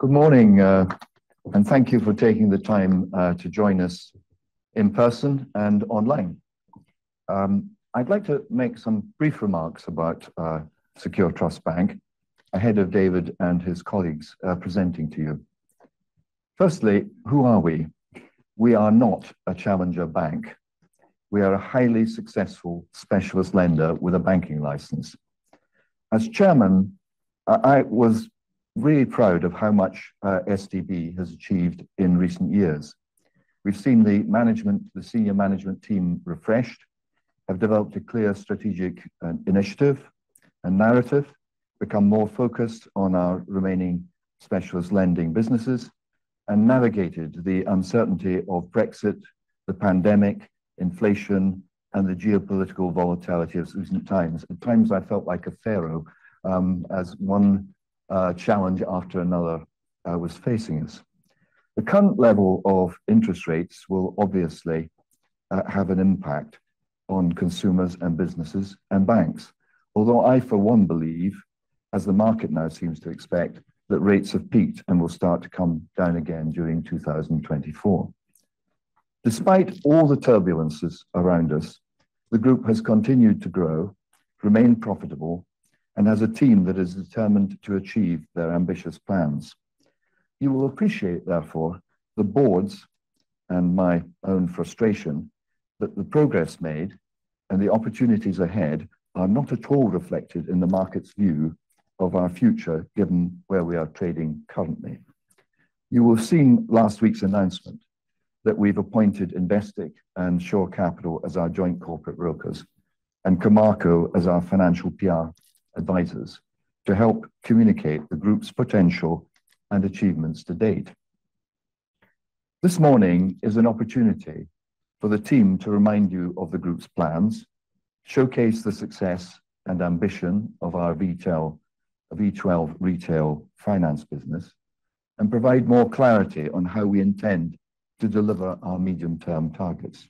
Good morning, and thank you for taking the time to join us in person and online. I'd like to make some brief remarks about Secure Trust Bank ahead of David and his colleagues presenting to you. Firstly, who are we? We are not a challenger bank. We are a highly successful specialist lender with a banking license. As Chairman, I was really proud of how much STB has achieved in recent years. We've seen the management, the senior management team refreshed, have developed a clear strategic initiative and narrative, become more focused on our remaining specialist lending businesses, and navigated the uncertainty of Brexit, the pandemic, inflation, and the geopolitical volatility of recent times. At times, I felt like a pharaoh as one challenge after another was facing us. The current level of interest rates will obviously have an impact on consumers and businesses and banks. Although I, for one, believe, as the market now seems to expect, that rates have peaked and will start to come down again during 2024. Despite all the turbulences around us, the group has continued to grow, remain profitable, and has a team that is determined to achieve their ambitious plans. You will appreciate, therefore, the board's and my own frustration, that the progress made and the opportunities ahead are not at all reflected in the market's view of our future, given where we are trading currently. You will have seen last week's announcement that we've appointed Investec and Shore Capital as our joint corporate brokers, and Camarco as our financial PR advisors, to help communicate the group's potential and achievements to date. This morning is an opportunity for the team to remind you of the group's plans, showcase the success and ambition of our V12 Retail Finance business, and provide more clarity on how we intend to deliver our medium-term targets.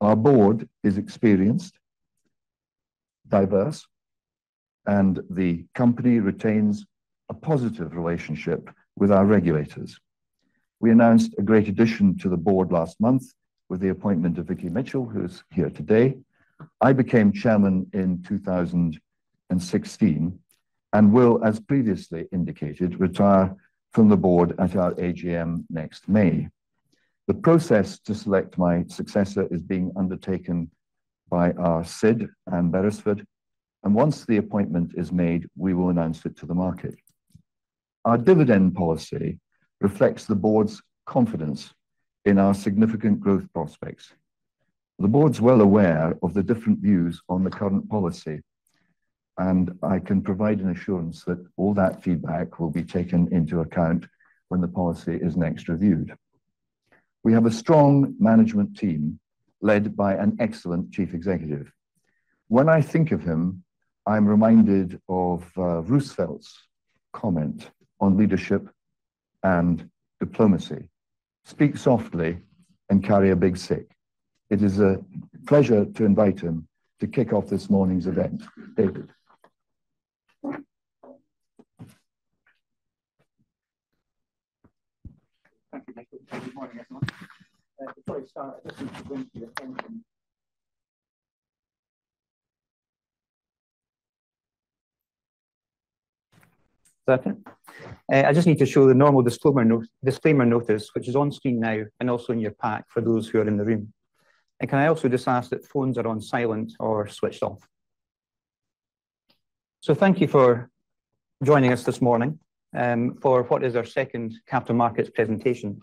Our board is experienced, diverse, and the company retains a positive relationship with our regulators. We announced a great addition to the board last month with the appointment of Vicky Mitchell, who's here today. I became chairman in 2016, and will, as previously indicated, retire from the board at our AGM next May. The process to select my successor is being undertaken by our SID, Ann Berresford, and once the appointment is made, we will announce it to the market. Our dividend policy reflects the board's confidence in our significant growth prospects. The board is well aware of the different views on the current policy, and I can provide an assurance that all that feedback will be taken into account when the policy is next reviewed. We have a strong management team, led by an excellent Chief Executive. When I think of him, I'm reminded of Roosevelt's comment on leadership and diplomacy: "Speak softly and carry a big stick." It is a pleasure to invite him to kick off this morning's event. David? Thank you, Michael. Good morning, everyone. Before I start, I just need to bring to your attention... Is that it? I just need to show the normal disclosure notice, disclaimer notice, which is on screen now, and also in your pack for those who are in the room. And can I also just ask that phones are on silent or switched off? So thank you for joining us this morning, for what is our second capital markets presentation.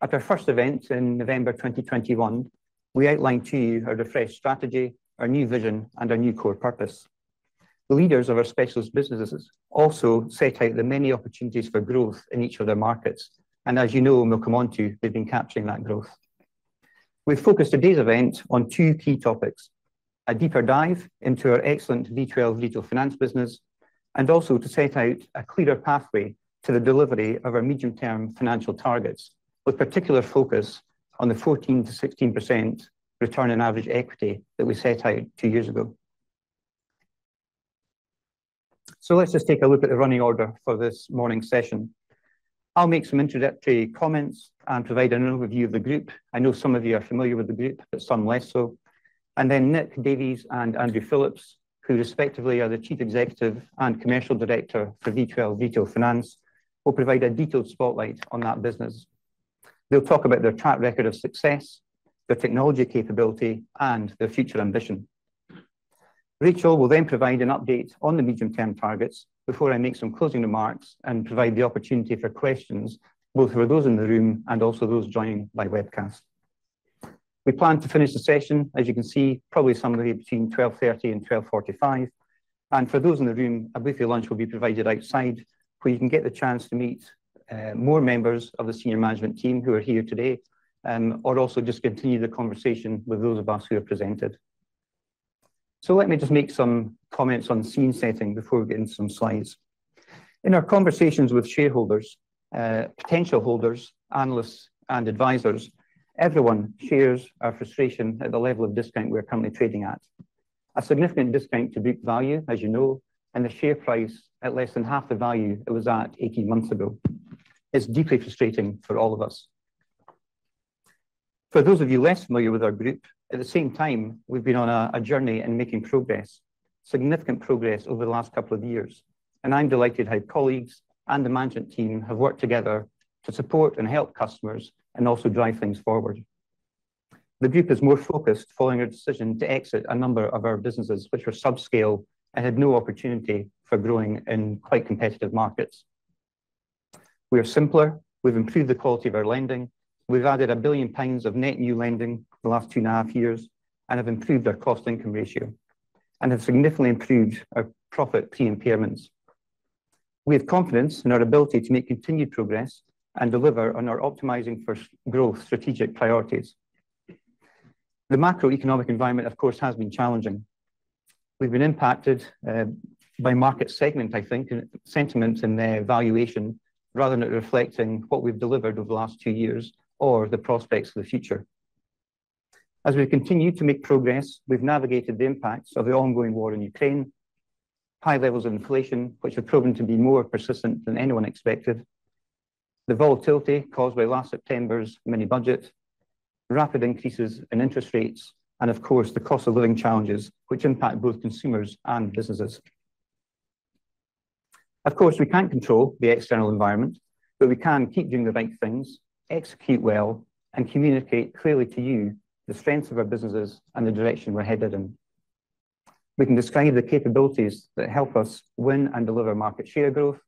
At our first event in November 2021, we outlined to you our refreshed strategy, our new vision, and our new core purpose. The leaders of our specialist businesses also set out the many opportunities for growth in each of their markets, and as you know, and we'll come on to, we've been capturing that growth. We've focused today's event on two key topics: a deeper dive into our excellent V12 Retail Finance business, and also to set out a clearer pathway to the delivery of our medium-term financial targets, with particular focus on the 14%-16% return on average equity that we set out two years ago. So let's just take a look at the running order for this morning's session. I'll make some introductory comments and provide an overview of the group. I know some of you are familiar with the group, but some less so. And then Nick Davies and Andrew Phillips, who respectively are the Chief Executive and Commercial Director for V12 Retail Finance, will provide a detailed spotlight on that business. They'll talk about their track record of success, their technology capability, and their future ambition. Rachel will then provide an update on the medium-term targets before I make some closing remarks and provide the opportunity for questions, both for those in the room and also those joining by webcast. We plan to finish the session, as you can see, probably somewhere between 12:30 P.M. and 12:45 P.M., and for those in the room, a buffet lunch will be provided outside, where you can get the chance to meet more members of the senior management team who are here today or also just continue the conversation with those of us who have presented. So let me just make some comments on scene setting before we get into some slides.... In our conversations with shareholders, potential holders, analysts, and advisors, everyone shares our frustration at the level of discount we are currently trading at. A significant discount to book value, as you know, and the share price at less than half the value it was at 18 months ago, is deeply frustrating for all of us. For those of you less familiar with our group, at the same time, we've been on a journey and making progress, significant progress over the last couple of years, and I'm delighted how colleagues and the management team have worked together to support and help customers and also drive things forward. The group is more focused following our decision to exit a number of our businesses, which were subscale and had no opportunity for growing in quite competitive markets. We are simpler, we've improved the quality of our lending, we've added 1 billion pounds of net new lending the last two and a half years, and have improved our cost-income ratio, and have significantly improved our profit pre-impairments. We have confidence in our ability to make continued progress and deliver on our optimizing for growth strategic priorities. The macroeconomic environment, of course, has been challenging. We've been impacted by market segment, I think, and sentiment in their valuation, rather than it reflecting what we've delivered over the last two years or the prospects for the future. As we've continued to make progress, we've navigated the impacts of the ongoing war in Ukraine, high levels of inflation, which have proven to be more persistent than anyone expected, the volatility caused by last September's mini budget, rapid increases in interest rates, and of course, the cost of living challenges, which impact both consumers and businesses. Of course, we can't control the external environment, but we can keep doing the right things, execute well, and communicate clearly to you the strengths of our businesses and the direction we're headed in. We can describe the capabilities that help us win and deliver market share growth.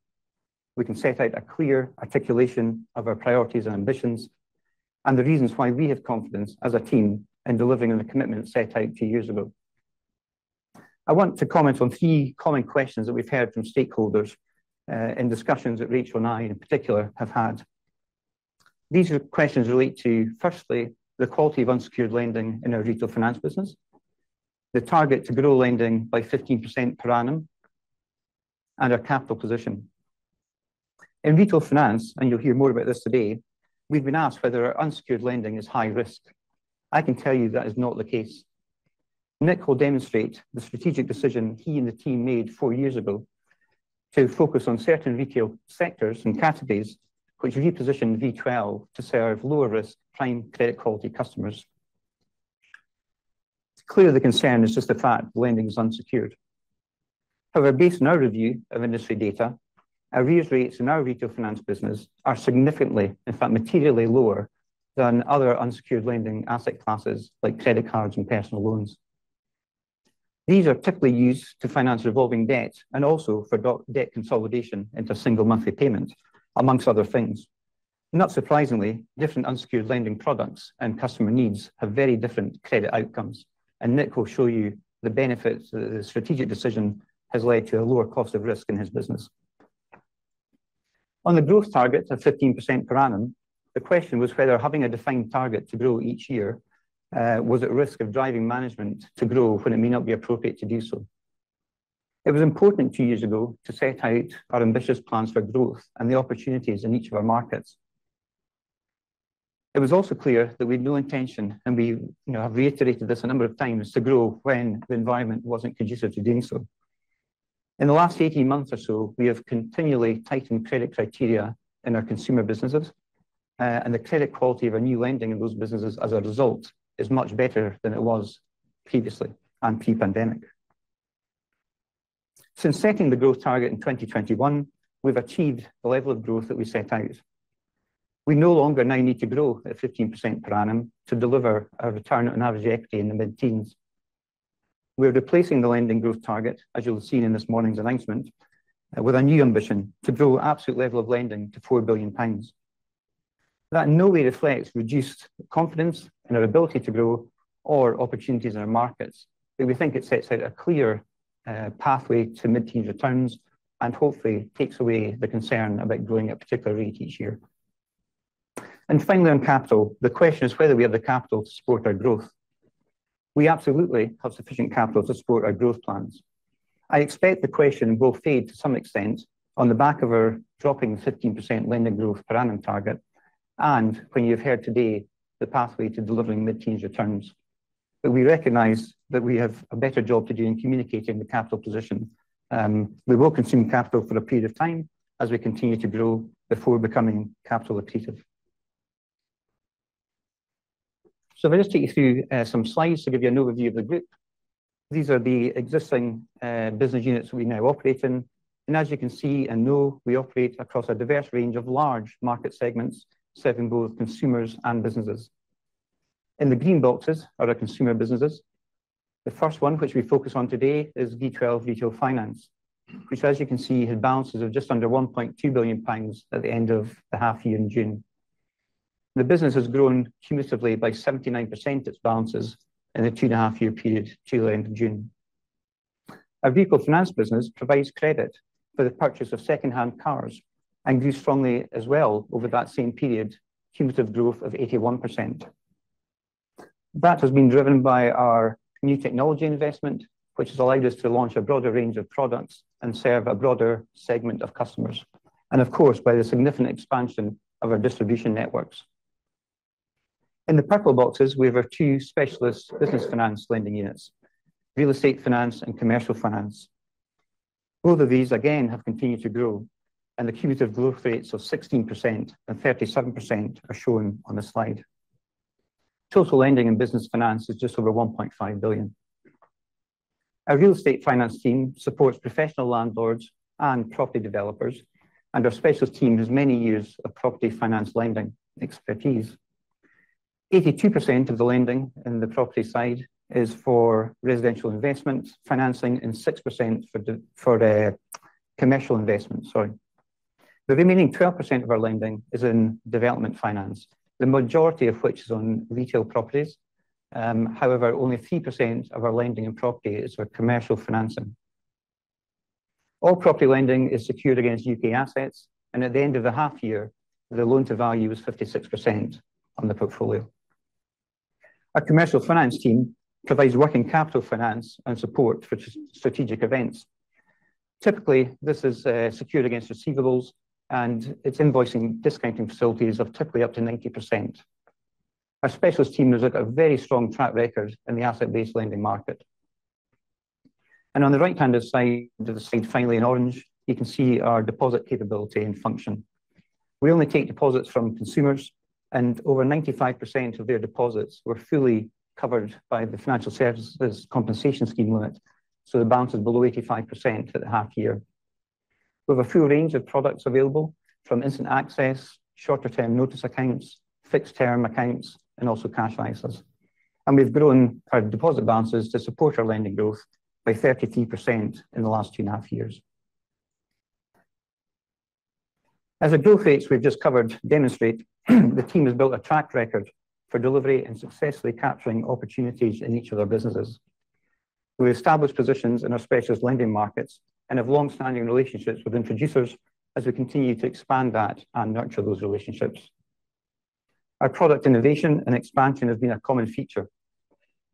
We can set out a clear articulation of our priorities and ambitions, and the reasons why we have confidence as a team in delivering on the commitment set out two years ago. I want to comment on three common questions that we've heard from stakeholders in discussions that Rachel and I, in particular, have had. These questions relate to, firstly, the quality of unsecured lending in our Retail Finance business, the target to grow lending by 15% per annum, and our capital position. In Retail Finance, and you'll hear more about this today, we've been asked whether our unsecured lending is high risk. I can tell you that is not the case. Nick will demonstrate the strategic decision he and the team made four years ago to focus on certain retail sectors and categories, which repositioned V12 to serve lower risk, prime credit quality customers. Clearly, the concern is just the fact the lending is unsecured. However, based on our review of industry data, our arrears rates in our retail finance business are significantly, in fact, materially lower than other unsecured lending asset classes like credit cards and personal loans. These are typically used to finance revolving debt and also for debt consolidation into a single monthly payment, among other things. Not surprisingly, different unsecured lending products and customer needs have very different credit outcomes, and Nick will show you the benefits that the strategic decision has led to a lower cost of risk in his business. On the growth target of 15% per annum, the question was whether having a defined target to grow each year was at risk of driving management to grow when it may not be appropriate to do so. It was important two years ago to set out our ambitious plans for growth and the opportunities in each of our markets. It was also clear that we had no intention, and we, you know, have reiterated this a number of times, to grow when the environment wasn't conducive to doing so. In the last 18 months or so, we have continually tightened credit criteria in our consumer businesses, and the credit quality of our new lending in those businesses, as a result, is much better than it was previously and pre-pandemic. Since setting the growth target in 2021, we've achieved the level of growth that we set out. We no longer now need to grow at 15% per annum to deliver a return on average equity in the mid-teens. We're replacing the lending growth target, as you'll have seen in this morning's announcement, with a new ambition: to grow absolute level of lending to 4 billion pounds. That in no way reflects reduced confidence in our ability to grow or opportunities in our markets, but we think it sets out a clear pathway to mid-teen returns and hopefully takes away the concern about growing at a particular rate each year. And finally, on capital, the question is whether we have the capital to support our growth. We absolutely have sufficient capital to support our growth plans. I expect the question will fade to some extent on the back of our dropping the 15% lending growth per annum target, and when you've heard today the pathway to delivering mid-teen returns. But we recognize that we have a better job to do in communicating the capital position. We will consume capital for a period of time as we continue to grow before becoming capital accretive. So if I just take you through some slides to give you an overview of the group. These are the existing business units we now operate in, and as you can see and know, we operate across a diverse range of large market segments, serving both consumers and businesses. In the green boxes are our consumer businesses. The first one, which we focus on today, is V12 Retail Finance, which, as you can see, had balances of just under 1.2 billion pounds at the end of the half year in June. The business has grown cumulatively by 79%, its balances, in the 2.5-year period to the end of June. Our Vehicle Finance business provides credit for the purchase of secondhand cars and grew strongly as well over that same period, cumulative growth of 81%.... That has been driven by our new technology investment, which has allowed us to launch a broader range of products and serve a broader segment of customers, and of course, by the significant expansion of our distribution networks. In the purple boxes, we have our two specialist business finance lending units: Real Estate Finance and Commercial Finance. Both of these, again, have continued to grow, and the cumulative growth rates of 16% and 37% are shown on the slide. Total lending in business finance is just over 1.5 billion. Our Real Estate Finance team supports professional landlords and property developers, and our specialist team has many years of property finance lending expertise. 82% of the lending in the property side is for residential investments, financing, and 6% for the, for the commercial investment, sorry. The remaining 12% of our lending is in development finance, the majority of which is on retail properties. However, only 3% of our lending and property is for commercial financing. All property lending is secured against U.K. assets, and at the end of the half year, the Loan to Value is 56% on the portfolio. Our Commercial Finance team provides working capital finance and support for strategic events. Typically, this is secured against receivables, and it's invoice discounting facilities of typically up to 90%. Our specialist team has a very strong track record in the Asset-Based Lending market. On the right-hand side of the slide, finally, in orange, you can see our deposit capability and function. We only take deposits from consumers, and over 95% of their deposits were fully covered by the Financial Services Compensation Scheme limit, so the balance is below 85% at the half year. We have a full range of products available, from instant access, shorter-term notice accounts, fixed-term accounts, and also Cash ISAs. We've grown our deposit balances to support our lending growth by 33% in the last two and a half years. As the growth rates we've just covered demonstrate, the team has built a track record for delivery and successfully capturing opportunities in each of their businesses. We established positions in our specialist lending markets and have long-standing relationships with introducers as we continue to expand that and nurture those relationships. Our product innovation and expansion has been a common feature,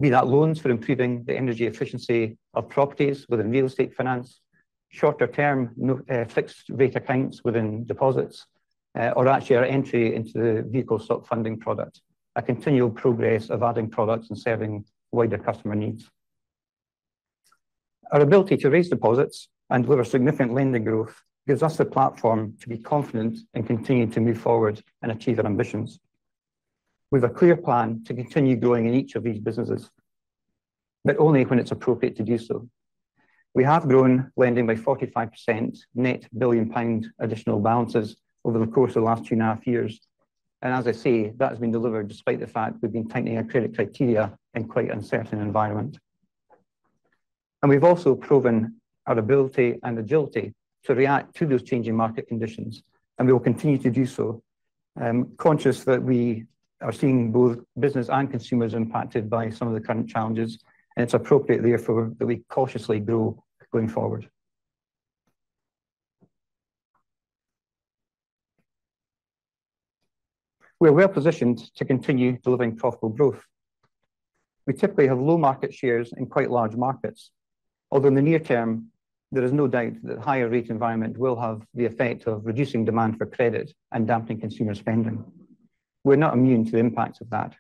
be that loans for improving the energy efficiency of properties within real estate finance, shorter term fixed rate accounts within deposits, or actually our entry into the vehicle stock funding product, a continual progress of adding products and serving wider customer needs. Our ability to raise deposits and deliver significant lending growth gives us the platform to be confident and continue to move forward and achieve our ambitions. We have a clear plan to continue growing in each of these businesses, but only when it's appropriate to do so. We have grown lending by 45%, net £1 billion additional balances over the course of the last two and a half years. And as I say, that has been delivered despite the fact we've been tightening our credit criteria in quite an uncertain environment. We've also proven our ability and agility to react to those changing market conditions, and we will continue to do so, conscious that we are seeing both business and consumers impacted by some of the current challenges, and it's appropriate, therefore, that we cautiously grow going forward. We are well-positioned to continue delivering profitable growth. We typically have low market shares in quite large markets, although in the near term, there is no doubt that higher rate environment will have the effect of reducing demand for credit and dampening consumer spending. We're not immune to the impacts of that.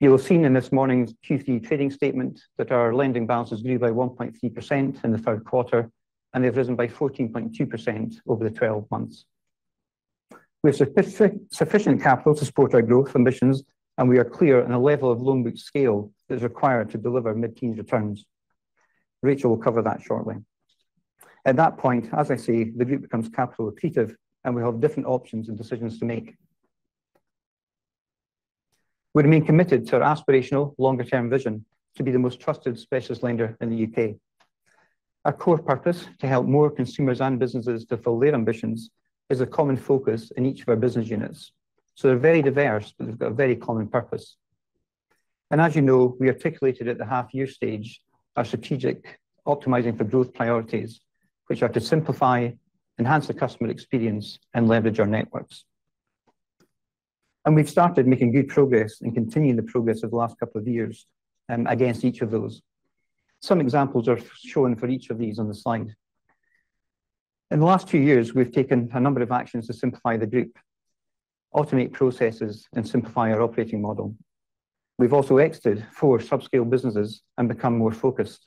You'll have seen in this morning's Q3 trading statement that our lending balance is grew by 1.3% in the third quarter, and they've risen by 14.2% over the 12 months. We have sufficient capital to support our growth ambitions, and we are clear on a level of loan book scale that is required to deliver mid-teen returns. Rachel will cover that shortly. At that point, as I say, the group becomes capital accretive, and we have different options and decisions to make. We remain committed to our aspirational longer-term vision to be the most trusted specialist lender in the UK. Our core purpose, to help more consumers and businesses fulfill their ambitions, is a common focus in each of our business units. So they're very diverse, but they've got a very common purpose. As you know, we articulated at the half year stage our strategic optimizing for growth priorities, which are to simplify, enhance the customer experience, and leverage our networks. We've started making good progress and continuing the progress of the last couple of years against each of those. Some examples are shown for each of these on the slide. In the last few years, we've taken a number of actions to simplify the group, automate processes, and simplify our operating model. We've also exited four subscale businesses and become more focused.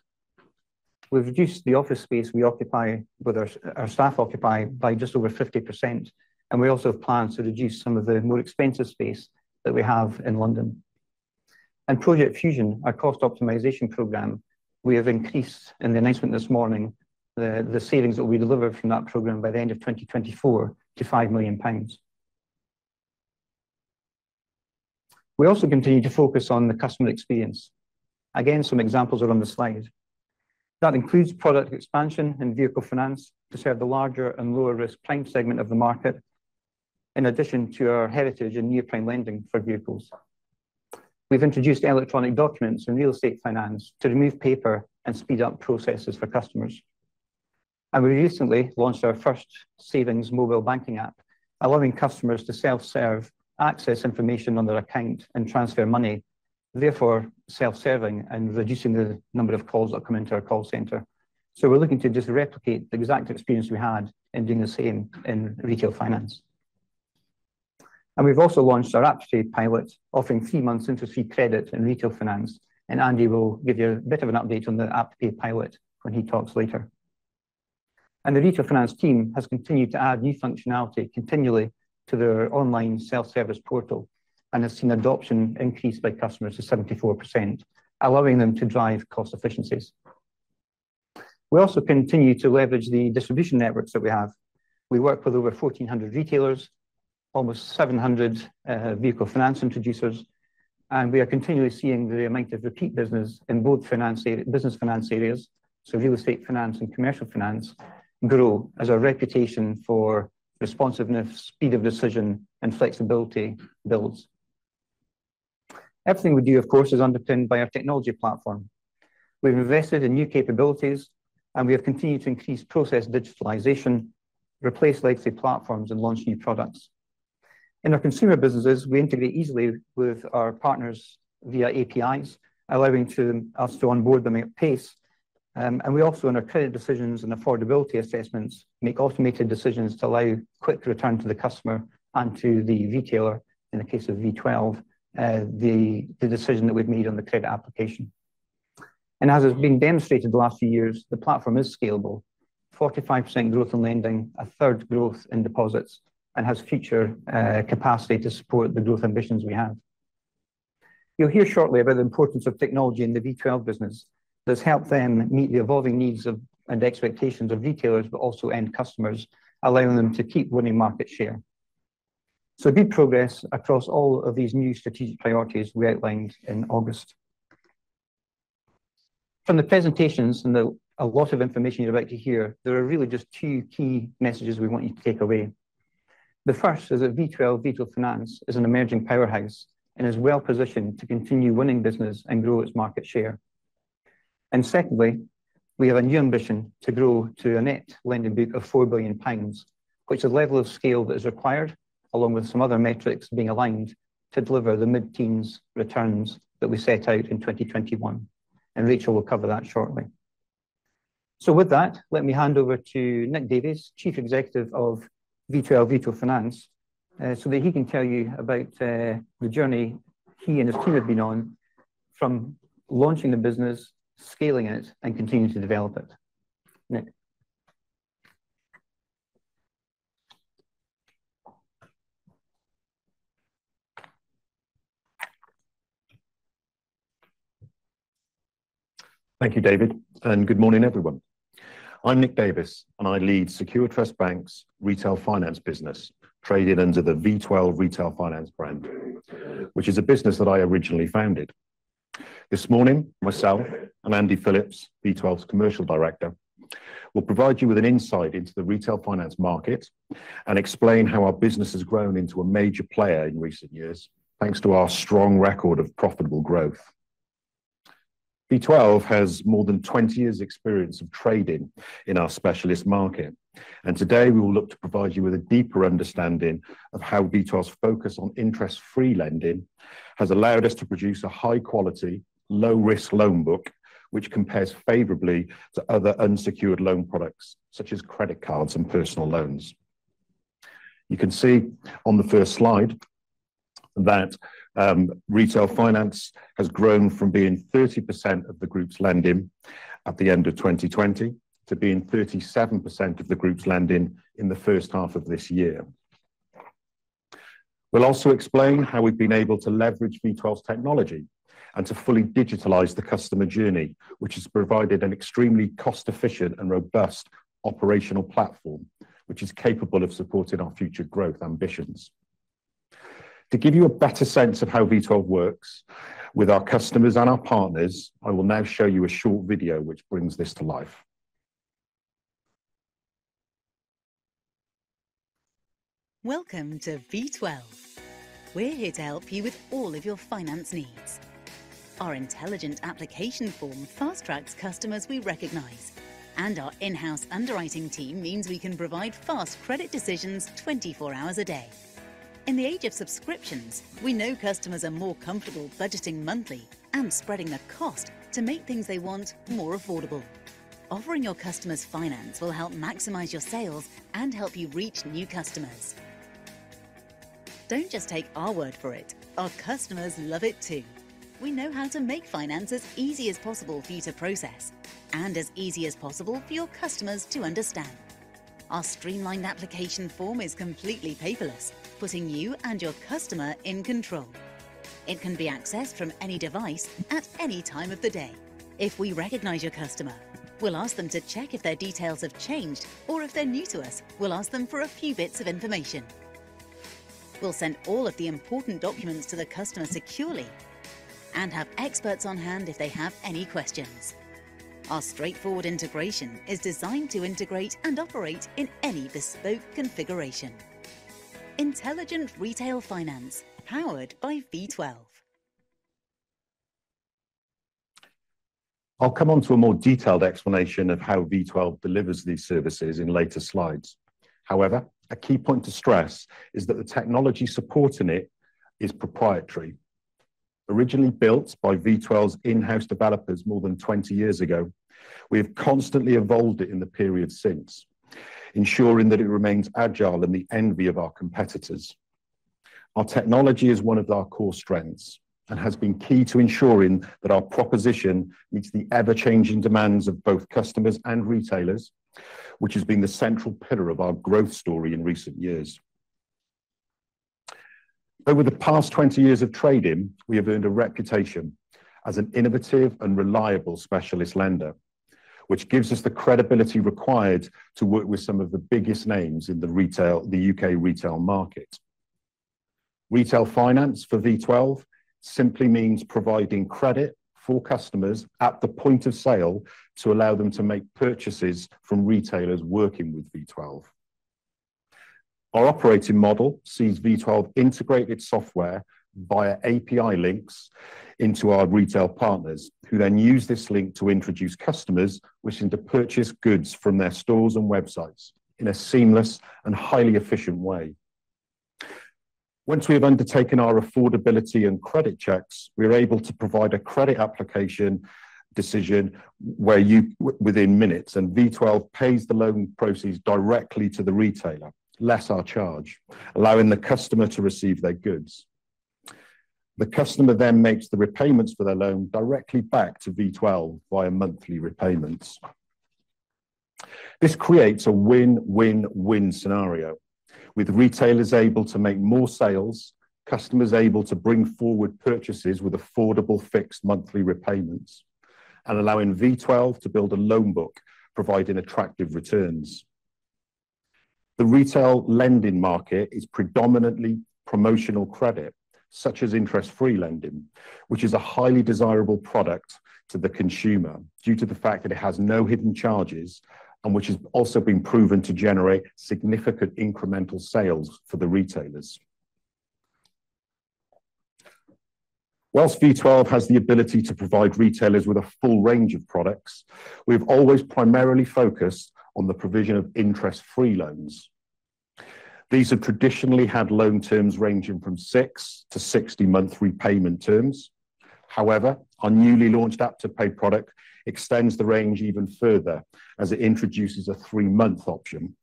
We've reduced the office space we occupy with our staff by just over 50%, and we also have plans to reduce some of the more expensive space that we have in London. Project Fusion, our cost optimization program, we have increased in the announcement this morning the savings that we deliver from that program by the end of 2024 to 5 million pounds. We also continue to focus on the customer experience. Again, some examples are on the slide. That includes product expansion and Vehicle Finance to serve the larger and lower-risk prime segment of the market, in addition to our heritage and near-prime lending for vehicles. We've introduced electronic documents in Real Estate Finance to remove paper and speed up processes for customers, and we recently launched our first savings mobile banking app, allowing customers to self-serve, access information on their account, and transfer money, therefore self-serving and reducing the number of calls that come into our call center. So we're looking to just replicate the exact experience we had in doing the same in Retail Finance. And we've also launched our AppToPay pilot, offering three months interest-free credit in Retail Finance, and Andy will give you a bit of an update on the AppTo Pay pilot when he talks later. The Retail Finance team has continued to add new functionality continually to their online self-service portal and has seen adoption increase by customers to 74%, allowing them to drive cost efficiencies. We also continue to leverage the distribution networks that we have. We work with over 1,400 retailers, almost 700 Vehicle Finance introducers, and we are continually seeing the amount of repeat business in both business finance areas, so Real Estate Finance and Commercial Finance, grow as our reputation for responsiveness, speed of decision, and flexibility builds. Everything we do, of course, is underpinned by our technology platform. We've invested in new capabilities, and we have continued to increase process digitalization, replace legacy platforms, and launch new products. In our consumer businesses, we integrate easily with our partners via APIs, allowing us to onboard them at pace. And we also, in our credit decisions and affordability assessments, make automated decisions to allow quick return to the customer and to the retailer, in the case of V12, the decision that we've made on the credit application. And as has been demonstrated in the last few years, the platform is scalable. 45% growth in lending, a third growth in deposits, and has future capacity to support the growth ambitions we have. You'll hear shortly about the importance of technology in the V12 business that's helped them meet the evolving needs of, and expectations of retailers, but also end customers, allowing them to keep winning market share. So good progress across all of these new strategic priorities we outlined in August. From the presentations, and the a lot of information you're about to hear, there are really just two key messages we want you to take away. The first is that V12 Retail Finance is an emerging powerhouse and is well positioned to continue winning business and grow its market share. And secondly, we have a new ambition to grow to a net lending book of 4 billion pounds, which is a level of scale that is required, along with some other metrics being aligned, to deliver the mid-teens returns that we set out in 2021, and Rachel will cover that shortly. So with that, let me hand over to Nick Davies, Chief Executive of V12 Retail Finance, so that he can tell you about the journey he and his team have been on from launching the business, scaling it, and continuing to develop it. Nick? Thank you, David, and good morning, everyone. I'm Nick Davies, and I lead Secure Trust Bank's retail finance business, traded under the V12 Retail Finance brand, which is a business that I originally founded. This morning, myself and Andy Phillips, V12's Commercial Director, will provide you with an insight into the retail finance market and explain how our business has grown into a major player in recent years, thanks to our strong record of profitable growth. V12 has more than 20 years' experience of trading in our specialist market, and today we will look to provide you with a deeper understanding of how V12's focus on interest-free lending has allowed us to produce a high-quality, low-risk loan book, which compares favorably to other unsecured loan products, such as credit cards and personal loans. You can see on the first slide that, retail finance has grown from being 30% of the group's lending at the end of 2020 to being 37% of the group's lending in the first half of this year. We'll also explain how we've been able to leverage V12's technology and to fully digitalize the customer journey, which has provided an extremely cost-efficient and robust operational platform, which is capable of supporting our future growth ambitions. To give you a better sense of how V12 works with our customers and our partners, I will now show you a short video which brings this to life. Welcome to V12. We're here to help you with all of your finance needs. Our intelligent application form fast-tracks customers we recognize, and our in-house underwriting team means we can provide fast credit decisions 24 hours a day. In the age of subscriptions, we know customers are more comfortable budgeting monthly and spreading the cost to make things they want more affordable. Offering your customers finance will help maximize your sales and help you reach new customers. Don't just take our word for it; our customers love it, too. We know how to make finance as easy as possible for you to process and as easy as possible for your customers to understand. Our streamlined application form is completely paperless, putting you and your customer in control. It can be accessed from any device at any time of the day. If we recognize your customer, we'll ask them to check if their details have changed, or if they're new to us, we'll ask them for a few bits of information. We'll send all of the important documents to the customer securely and have experts on hand if they have any questions. Our straightforward integration is designed to integrate and operate in any bespoke configuration. Intelligent retail finance, powered by V12.... I'll come on to a more detailed explanation of how V12 delivers these services in later slides. However, a key point to stress is that the technology supporting it is proprietary. Originally built by V12's in-house developers more than 20 years ago, we have constantly evolved it in the period since, ensuring that it remains agile and the envy of our competitors. Our technology is one of our core strengths and has been key to ensuring that our proposition meets the ever-changing demands of both customers and retailers, which has been the central pillar of our growth story in recent years. Over the past 20 years of trading, we have earned a reputation as an innovative and reliable specialist lender, which gives us the credibility required to work with some of the biggest names in the retail, the U.K. retail market. Retail Finance for V12 simply means providing credit for customers at the point of sale to allow them to make purchases from retailers working with V12. Our operating model sees V12 integrate its software via API links into our retail partners, who then use this link to introduce customers wishing to purchase goods from their stores and websites in a seamless and highly efficient way. Once we have undertaken our affordability and credit checks, we are able to provide a credit application decision within minutes, and V12 pays the loan proceeds directly to the retailer, less our charge, allowing the customer to receive their goods. The customer then makes the repayments for their loan directly back to V12 via monthly repayments. This creates a win-win-win scenario, with retailers able to make more sales, customers able to bring forward purchases with affordable fixed monthly repayments, and allowing V12 to build a loan book providing attractive returns. The retail lending market is predominantly promotional credit, such as interest-free lending, which is a highly desirable product to the consumer due to the fact that it has no hidden charges, and which has also been proven to generate significant incremental sales for the retailers. While V12 has the ability to provide retailers with a full range of products, we've always primarily focused on the provision of interest-free loans. These have traditionally had loan terms ranging from six to 60-month repayment terms. However, our newly launched AppToPay product extends the range even further, as it introduces a three-month option.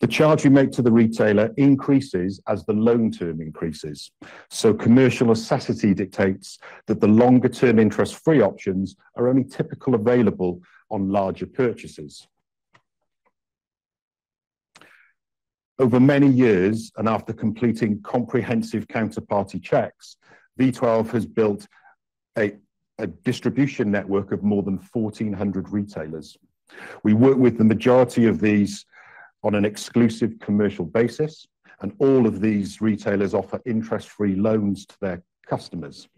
The charge we make to the retailer increases as the loan term increases, so commercial necessity dictates that the longer term interest-free options are only typically available on larger purchases. Over many years, and after completing comprehensive counterparty checks, V12 has built a distribution network of more than 1,400 retailers. We work with the majority of these on an exclusive commercial basis, and all of these retailers offer interest-free loans to their customers.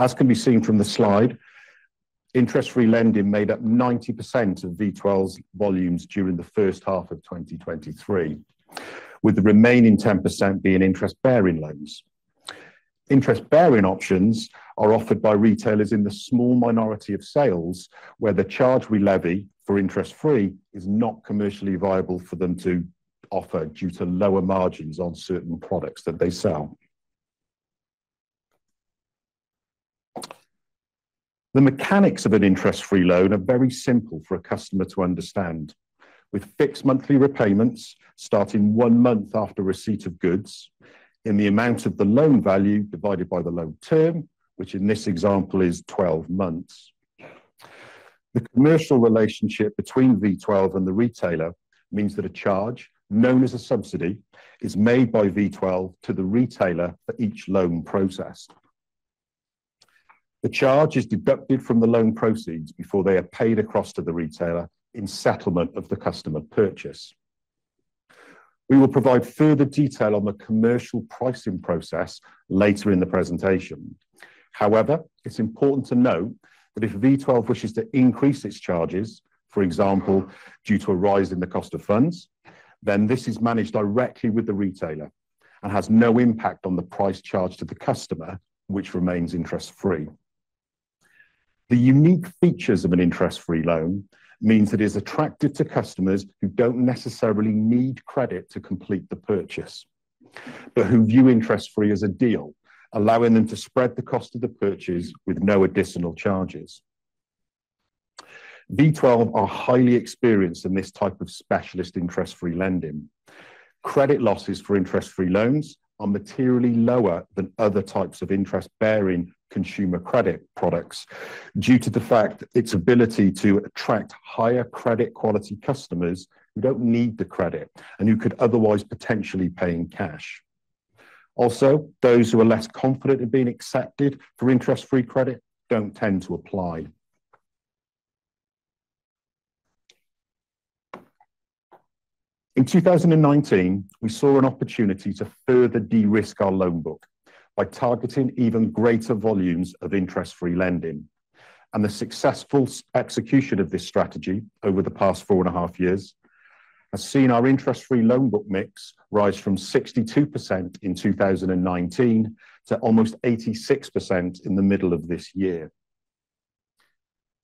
As can be seen from the slide, interest-free lending made up 90% of V12's volumes during the first half of 2023, with the remaining 10% being interest-bearing loans. Interest-bearing options are offered by retailers in the small minority of sales, where the charge we levy for interest-free is not commercially viable for them to offer due to lower margins on certain products that they sell. The mechanics of an interest-free loan are very simple for a customer to understand. With fixed monthly repayments starting one month after receipt of goods in the amount of the loan value divided by the loan term, which in this example is 12 months. The commercial relationship between V12 and the retailer means that a charge, known as a subsidy, is made by V12 to the retailer for each loan processed. The charge is deducted from the loan proceeds before they are paid across to the retailer in settlement of the customer purchase. We will provide further detail on the commercial pricing process later in the presentation. However, it's important to note that if V12 wishes to increase its charges, for example, due to a rise in the cost of funds, then this is managed directly with the retailer and has no impact on the price charged to the customer, which remains interest-free. The unique features of an interest-free loan means it is attractive to customers who don't necessarily need credit to complete the purchase, but who view interest-free as a deal, allowing them to spread the cost of the purchase with no additional charges. V12 are highly experienced in this type of specialist interest-free lending. Credit losses for interest-free loans are materially lower than other types of interest-bearing consumer credit products, due to the fact its ability to attract higher credit quality customers who don't need the credit and who could otherwise potentially pay in cash. Also, those who are less confident in being accepted for interest-free credit don't tend to apply. In 2019, we saw an opportunity to further de-risk our loan book by targeting even greater volumes of interest-free lending, and the successful execution of this strategy over the past 4.5 years has seen our interest-free loan book mix rise from 62% in 2019 to almost 86% in the middle of this year.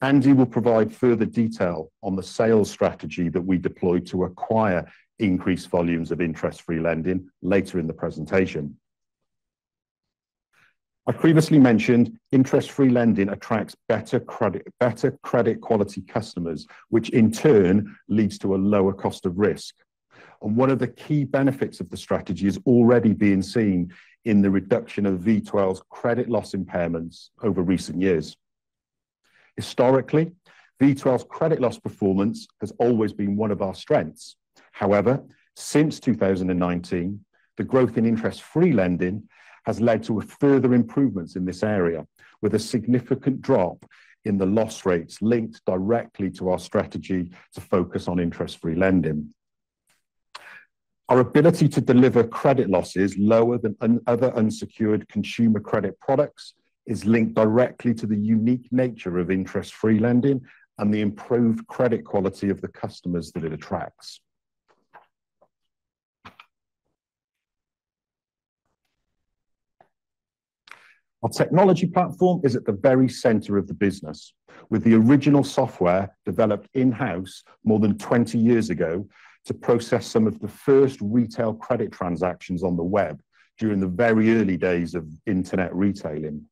Andy will provide further detail on the sales strategy that we deployed to acquire increased volumes of interest-free lending later in the presentation. I previously mentioned, interest-free lending attracts better credit, better credit quality customers, which in turn leads to a lower cost of risk. And one of the key benefits of the strategy is already being seen in the reduction of V12's credit loss impairments over recent years. Historically, V12's credit loss performance has always been one of our strengths. However, since 2019, the growth in interest-free lending has led to a further improvement in this area, with a significant drop in the loss rates linked directly to our strategy to focus on interest-free lending. Our ability to deliver credit losses lower than other unsecured consumer credit products is linked directly to the unique nature of interest-free lending and the improved credit quality of the customers that it attracts. Our technology platform is at the very center of the business, with the original software developed in-house more than 20 years ago to process some of the first retail credit transactions on the web during the very early days of internet retailing.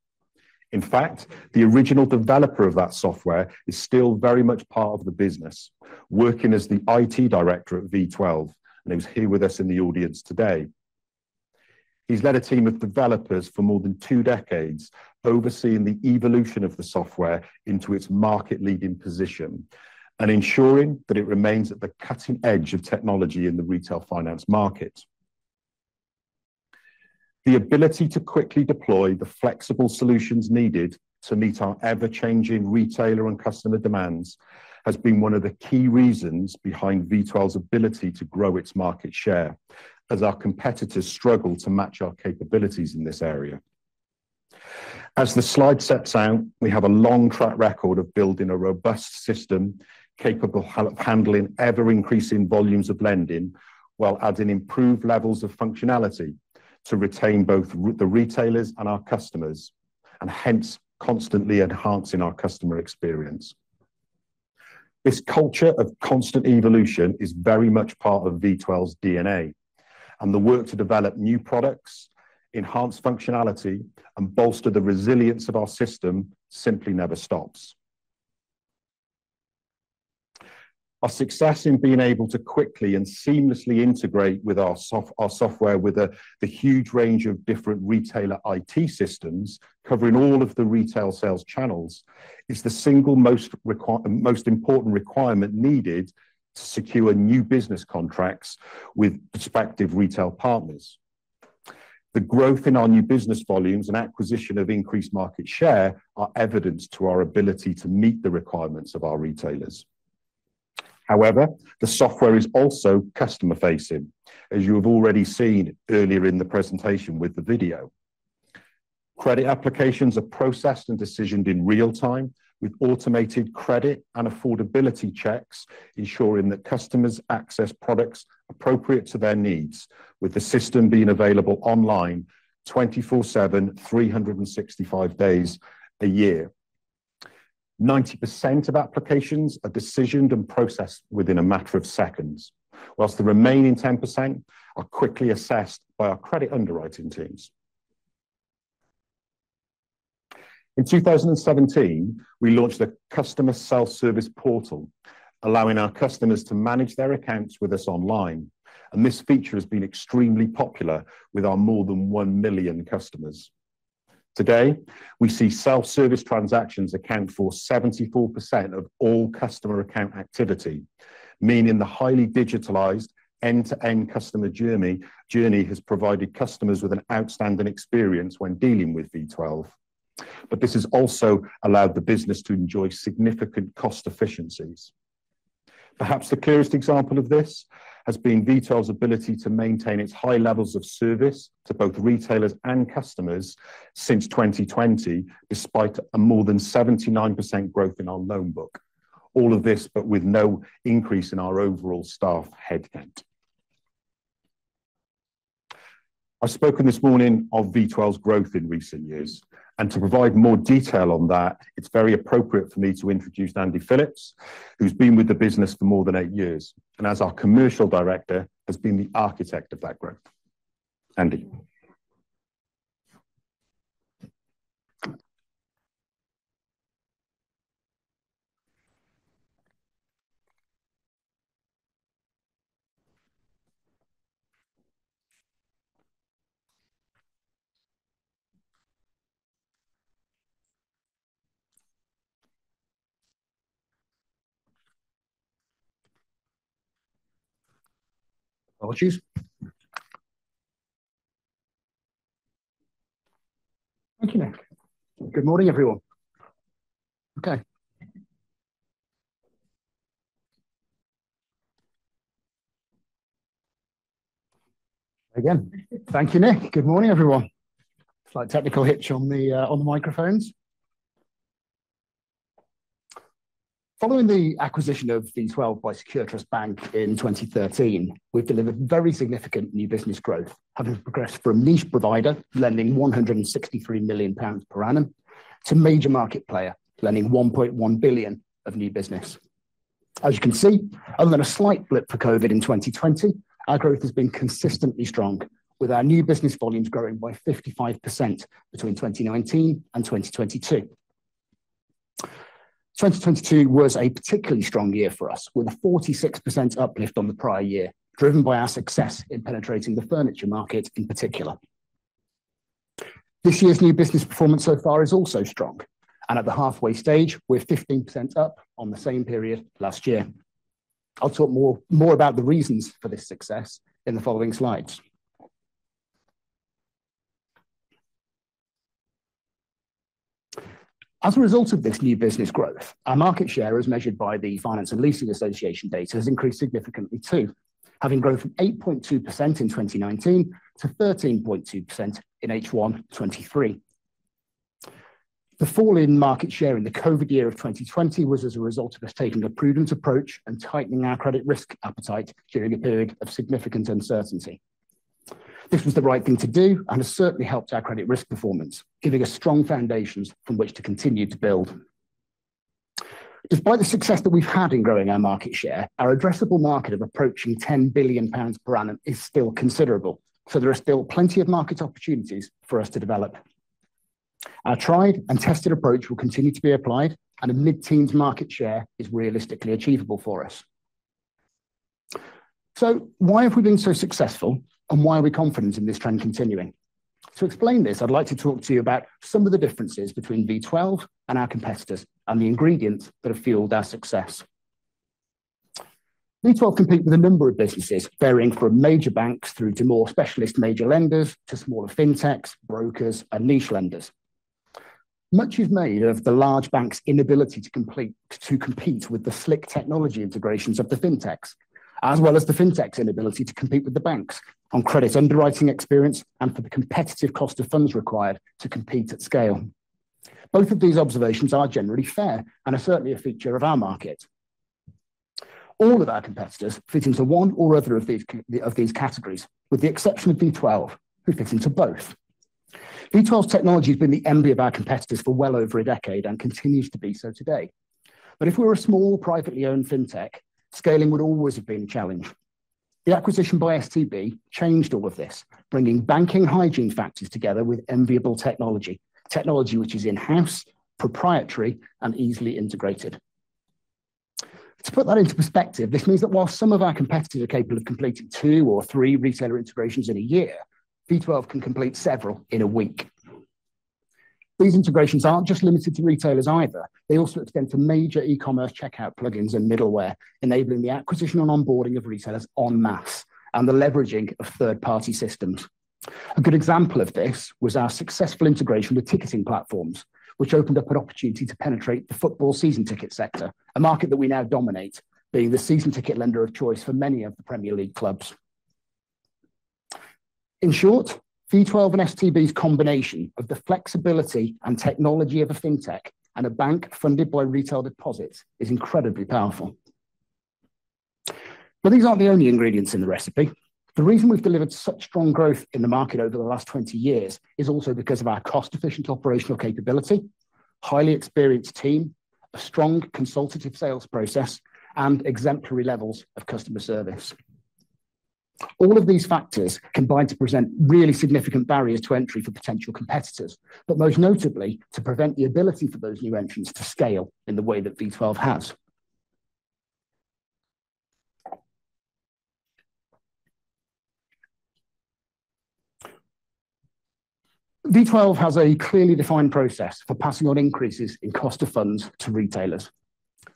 In fact, the original developer of that software is still very much part of the business, working as the IT director at V12, and he is here with us in the audience today. He's led a team of developers for more than two decades, overseeing the evolution of the software into its market-leading position and ensuring that it remains at the cutting edge of technology in the retail finance market. The ability to quickly deploy the flexible solutions needed to meet our ever-changing retailer and customer demands, has been one of the key reasons behind V12's ability to grow its market share, as our competitors struggle to match our capabilities in this area. As the slide sets out, we have a long track record of building a robust system capable of handling ever-increasing volumes of lending, while adding improved levels of functionality to retain both the retailers and our customers, and hence, constantly enhancing our customer experience. This culture of constant evolution is very much part of V12's DNA, and the work to develop new products, enhance functionality, and bolster the resilience of our system simply never stops. Our success in being able to quickly and seamlessly integrate our software with the huge range of different retailer IT systems, covering all of the retail sales channels, is the single most important requirement needed to secure new business contracts with prospective retail partners. The growth in our new business volumes and acquisition of increased market share are evidence to our ability to meet the requirements of our retailers. However, the software is also customer-facing, as you have already seen earlier in the presentation with the video. Credit applications are processed and decisioned in real time, with automated credit and affordability checks, ensuring that customers access products appropriate to their needs, with the system being available online 24/7, 365 days a year. 90% of applications are decisioned and processed within a matter of seconds, while the remaining 10% are quickly assessed by our credit underwriting teams. In 2017, we launched a customer self-service portal, allowing our customers to manage their accounts with us online, and this feature has been extremely popular with our more than 1 million customers. Today, we see self-service transactions account for 74% of all customer account activity, meaning the highly digitalized end-to-end customer journey has provided customers with an outstanding experience when dealing with V12. But this has also allowed the business to enjoy significant cost efficiencies. Perhaps the clearest example of this has been V12's ability to maintain its high levels of service to both retailers and customers since 2020, despite a more than 79% growth in our loan book. All of this, but with no increase in our overall staff headcount. I've spoken this morning of V12's growth in recent years, and to provide more detail on that, it's very appropriate for me to introduce Andy Phillips, who's been with the business for more than 8 years, and as our Commercial Director, has been the architect of that growth. Andy? Apologies. Thank you, Nick. Good morning, everyone. Okay.... Again, thank you, Nick. Good morning, everyone. Slight technical hitch on the, on the microphones. Following the acquisition of V12 by Secure Trust Bank in 2013, we've delivered very significant new business growth, having progressed from a niche provider, lending 163 million pounds per annum, to major market player, lending 1.1 billion of new business. As you can see, other than a slight blip for COVID in 2020, our growth has been consistently strong, with our new business volumes growing by 55% between 2019 and 2022. 2022 was a particularly strong year for us, with a 46% uplift on the prior year, driven by our success in penetrating the furniture market in particular. This year's new business performance so far is also strong, and at the halfway stage, we're 15% up on the same period last year. I'll talk more about the reasons for this success in the following slides. As a result of this new business growth, our market share, as measured by the Finance and Leasing Association data, has increased significantly, too, having grown from 8.2% in 2019 to 13.2% in H1 2023. The fall in market share in the COVID year of 2020 was as a result of us taking a prudent approach and tightening our credit risk appetite during a period of significant uncertainty. This was the right thing to do and has certainly helped our credit risk performance, giving us strong foundations from which to continue to build. Despite the success that we've had in growing our market share, our addressable market of approaching 10 billion pounds per annum is still considerable, so there are still plenty of market opportunities for us to develop. Our tried and tested approach will continue to be applied, and a mid-teens market share is realistically achievable for us. So why have we been so successful, and why are we confident in this trend continuing? To explain this, I'd like to talk to you about some of the differences between V12 and our competitors and the ingredients that have fueled our success. V12 compete with a number of businesses, varying from major banks through to more specialist major lenders to smaller fintechs, brokers, and niche lenders. Much is made of the large banks' inability to compete with the slick technology integrations of the fintechs, as well as the fintechs' inability to compete with the banks on credit underwriting experience and for the competitive cost of funds required to compete at scale. Both of these observations are generally fair and are certainly a feature of our market. All of our competitors fit into one or other of these categories, with the exception of V12, who fit into both. V12's technology has been the envy of our competitors for well over a decade and continues to be so today. But if we were a small, privately owned fintech, scaling would always have been a challenge. The acquisition by STB changed all of this, bringing banking hygiene factors together with enviable technology, technology which is in-house, proprietary, and easily integrated. To put that into perspective, this means that while some of our competitors are capable of completing two or three retailer integrations in a year, V12 can complete several in a week. These integrations aren't just limited to retailers either. They also extend to major e-commerce checkout plugins and middleware, enabling the acquisition and onboarding of retailers en masse and the leveraging of third-party systems. A good example of this was our successful integration with ticketing platforms, which opened up an opportunity to penetrate the football season ticket sector, a market that we now dominate, being the season ticket lender of choice for many of the Premier League clubs. In short, V12 and STB's combination of the flexibility and technology of a fintech and a bank funded by retail deposits is incredibly powerful. But these aren't the only ingredients in the recipe. The reason we've delivered such strong growth in the market over the last 20 years is also because of our cost-efficient operational capability, highly experienced team, a strong consultative sales process, and exemplary levels of customer service. All of these factors combine to present really significant barriers to entry for potential competitors, but most notably, to prevent the ability for those new entrants to scale in the way that V12 has. V12 has a clearly defined process for passing on increases in cost of funds to retailers.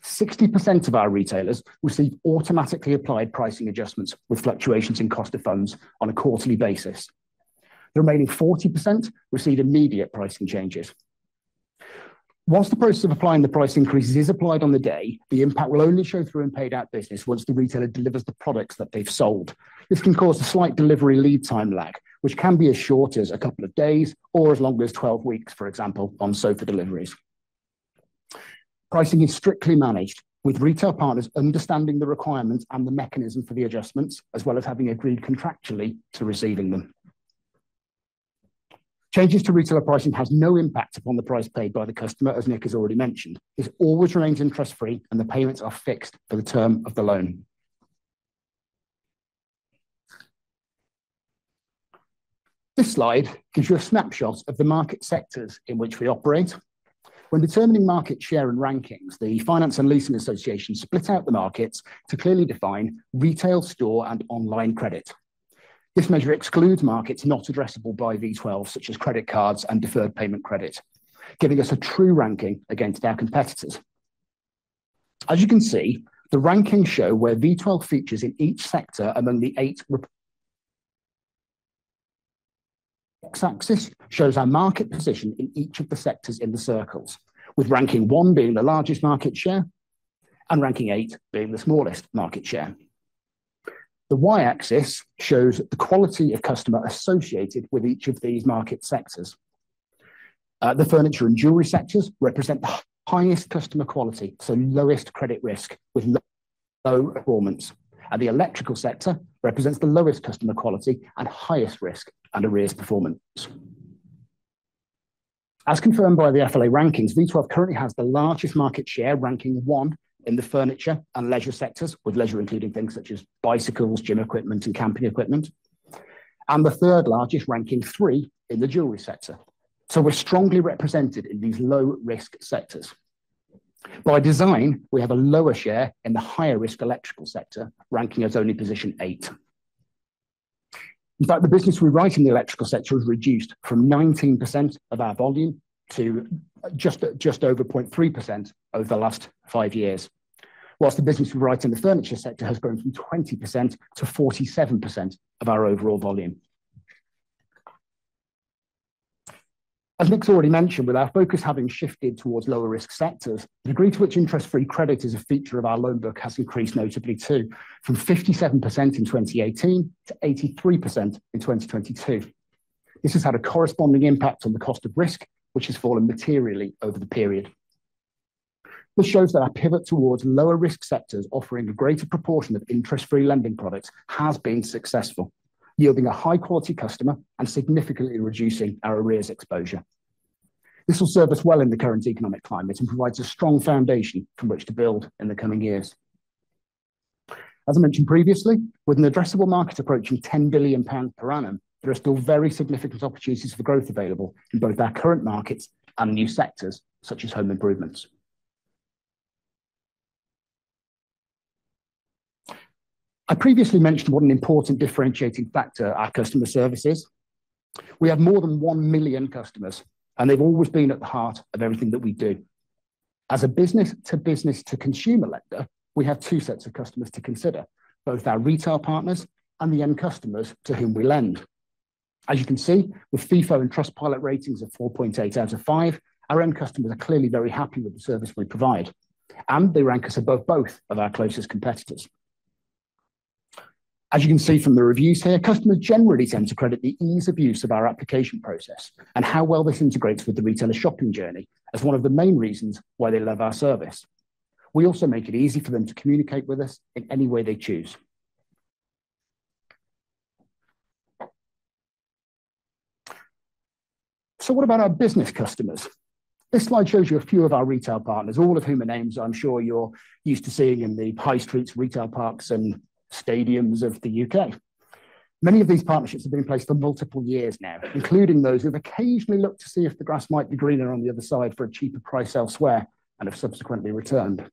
60% of our retailers receive automatically applied pricing adjustments with fluctuations in cost of funds on a quarterly basis. The remaining 40% receive immediate pricing changes. Whilst the process of applying the price increases is applied on the day, the impact will only show through in paid-out business once the retailer delivers the products that they've sold. This can cause a slight delivery lead time lag, which can be as short as a couple of days or as long as 12 weeks, for example, on sofa deliveries. Pricing is strictly managed, with retail partners understanding the requirements and the mechanism for the adjustments, as well as having agreed contractually to receiving them. Changes to retailer pricing has no impact upon the price paid by the customer, as Nick has already mentioned. This always remains interest-free, and the payments are fixed for the term of the loan. This slide gives you a snapshot of the market sectors in which we operate. When determining market share and rankings, the Finance and Leasing Association split out the markets to clearly define retail store and online credit. This measure excludes markets not addressable by V12, such as credit cards and deferred payment credit, giving us a true ranking against our competitors. As you can see, the rankings show where V12 features in each sector among the eight. X-axis shows our market position in each of the sectors in the circles, with ranking one being the largest market share and ranking eight being the smallest market share. The Y-axis shows the quality of customer associated with each of these market sectors. The furniture and jewelry sectors represent the highest customer quality, so lowest credit risk, with low, low performance, and the electrical sector represents the lowest customer quality and highest risk and arrears performance. As confirmed by the FLA rankings, V12 currently has the largest market share, ranking one in the furniture and leisure sectors, with leisure including things such as bicycles, gym equipment, and camping equipment, and the third largest, ranking three, in the jewelry sector. So we're strongly represented in these low-risk sectors. By design, we have a lower share in the higher-risk electrical sector, ranking as only position eight. In fact, the business we write in the electrical sector has reduced from 19% of our volume to just over 0.3% over the last five years. While the business we write in the furniture sector has grown from 20% to 47% of our overall volume. As Nick's already mentioned, with our focus having shifted towards lower-risk sectors, the degree to which interest-free credit is a feature of our loan book has increased notably, too, from 57% in 2018 to 83% in 2022. This has had a corresponding impact on the cost of risk, which has fallen materially over the period. This shows that our pivot towards lower-risk sectors offering a greater proportion of interest-free lending products has been successful, yielding a high-quality customer and significantly reducing our arrears exposure. This will serve us well in the current economic climate and provides a strong foundation from which to build in the coming years. As I mentioned previously, with an addressable market approaching 10 billion pounds per annum, there are still very significant opportunities for growth available in both our current markets and new sectors, such as home improvements. I previously mentioned what an important differentiating factor our customer service is. We have more than 1 million customers, and they've always been at the heart of everything that we do. As a business-to-business-to-consumer lender, we have two sets of customers to consider: both our retail partners and the end customers to whom we lend. As you can see, with Feefo and Trustpilot ratings of 4.8 out of 5, our end customers are clearly very happy with the service we provide, and they rank us above both of our closest competitors. As you can see from the reviews here, customers generally tend to credit the ease of use of our application process and how well this integrates with the retailer shopping journey as one of the main reasons why they love our service. We also make it easy for them to communicate with us in any way they choose. So what about our business customers? This slide shows you a few of our retail partners, all of whom are names I'm sure you're used to seeing in the high streets, retail parks, and stadiums of the U.K. Many of these partnerships have been in place for multiple years now, including those who have occasionally looked to see if the grass might be greener on the other side for a cheaper price elsewhere and have subsequently returned.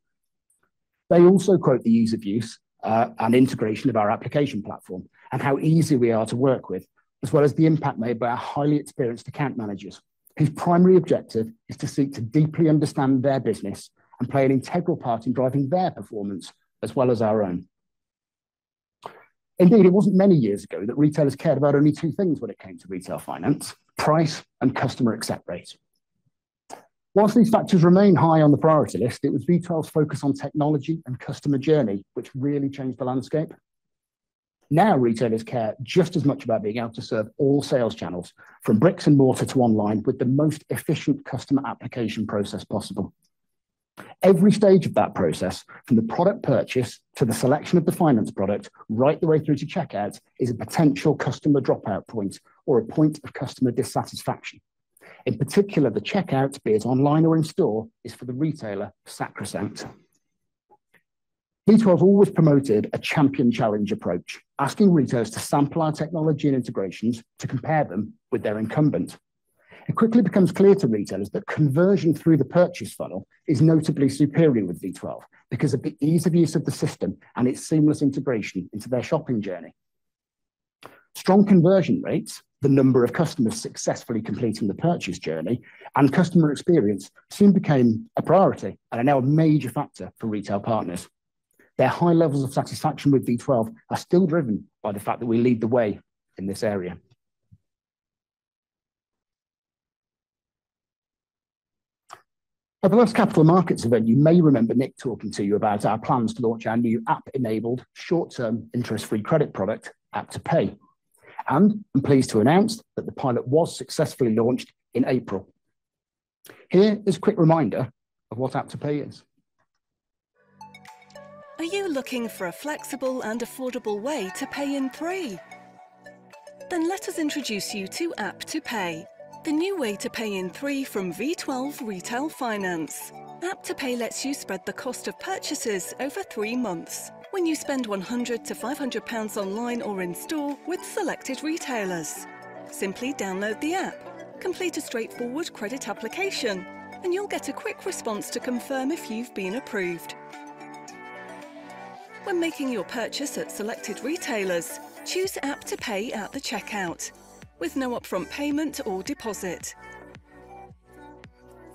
They also quote the ease of use, and integration of our application platform and how easy we are to work with, as well as the impact made by our highly experienced account managers, whose primary objective is to seek to deeply understand their business and play an integral part in driving their performance as well as our own. Indeed, it wasn't many years ago that retailers cared about only two things when it came to retail finance: price and customer accept rate. While these factors remain high on the priority list, it was V12's focus on technology and customer journey which really changed the landscape. Now, retailers care just as much about being able to serve all sales channels, from bricks and mortar to online, with the most efficient customer application process possible. Every stage of that process, from the product purchase to the selection of the finance product, right the way through to checkout, is a potential customer dropout point or a point of customer dissatisfaction. In particular, the checkout, be it online or in store, is for the retailer, sacrosanct. V12 have always promoted a champion challenge approach, asking retailers to sample our technology and integrations to compare them with their incumbent. It quickly becomes clear to retailers that conversion through the purchase funnel is notably superior with V12 because of the ease of use of the system and its seamless integration into their shopping journey. Strong conversion rates, the number of customers successfully completing the purchase journey, and customer experience soon became a priority and are now a major factor for retail partners. Their high levels of satisfaction with V12 are still driven by the fact that we lead the way in this area. At the last capital markets event, you may remember Nick talking to you about our plans to launch our new app-enabled, short-term, interest-free credit product, AppToPay. I'm pleased to announce that the pilot was successfully launched in April. Here is a quick reminder of what AppToPay is. Are you looking for a flexible and affordable way to pay in three? Then let us introduce you to AppToPay, the new way to pay in three from V12 Retail Finance. AppToPay lets you spread the cost of purchases over three months when you spend 100-500 pounds online or in store with selected retailers. Simply download the app, complete a straightforward credit application, and you'll get a quick response to confirm if you've been approved. When making your purchase at selected retailers, choose AppToPay at the checkout with no upfront payment or deposit.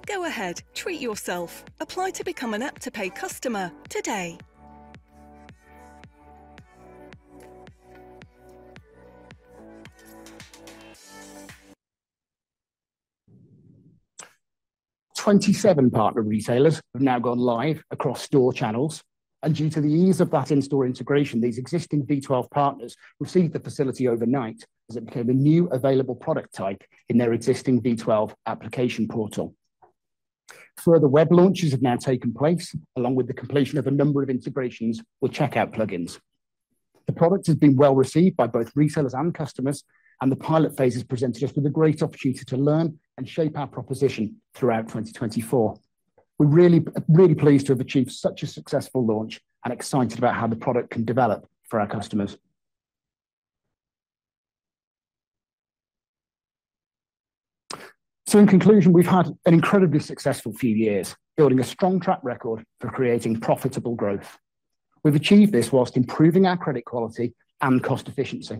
Go ahead, treat yourself. Apply to become an AppToPay customer today.... 27 partner retailers have now gone live across store channels, and due to the ease of that in-store integration, these existing V12 partners received the facility overnight as it became a new available product type in their existing V12 application portal. Further web launches have now taken place, along with the completion of a number of integrations with checkout plugins. The product has been well received by both retailers and customers, and the pilot phase has presented us with a great opportunity to learn and shape our proposition throughout 2024. We're really, really pleased to have achieved such a successful launch and excited about how the product can develop for our customers. So in conclusion, we've had an incredibly successful few years, building a strong track record for creating profitable growth. We've achieved this while improving our credit quality and cost efficiency.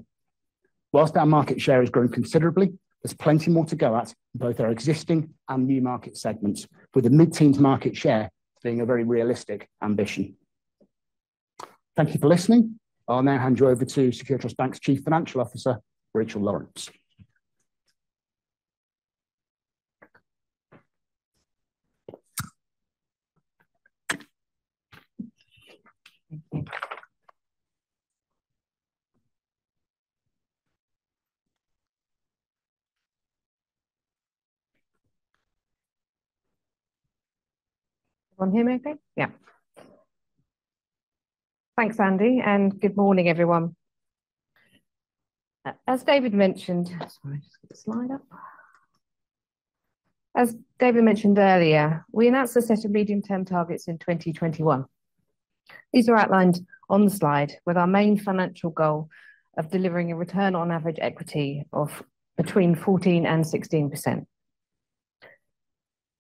While our market share has grown considerably, there's plenty more to go at in both our existing and new market segments, with a mid-teens market share being a very realistic ambition. Thank you for listening. I'll now hand you over to Secure Trust Bank's Chief Financial Officer, Rachel Lawrence. Can everyone hear me okay? Yeah. Thanks, Andy, and good morning, everyone. As David mentioned... Sorry, just get the slide up. As David mentioned earlier, we announced a set of medium-term targets in 2021. These are outlined on the slide, with our main financial goal of delivering a return on average equity of between 14% and 16%.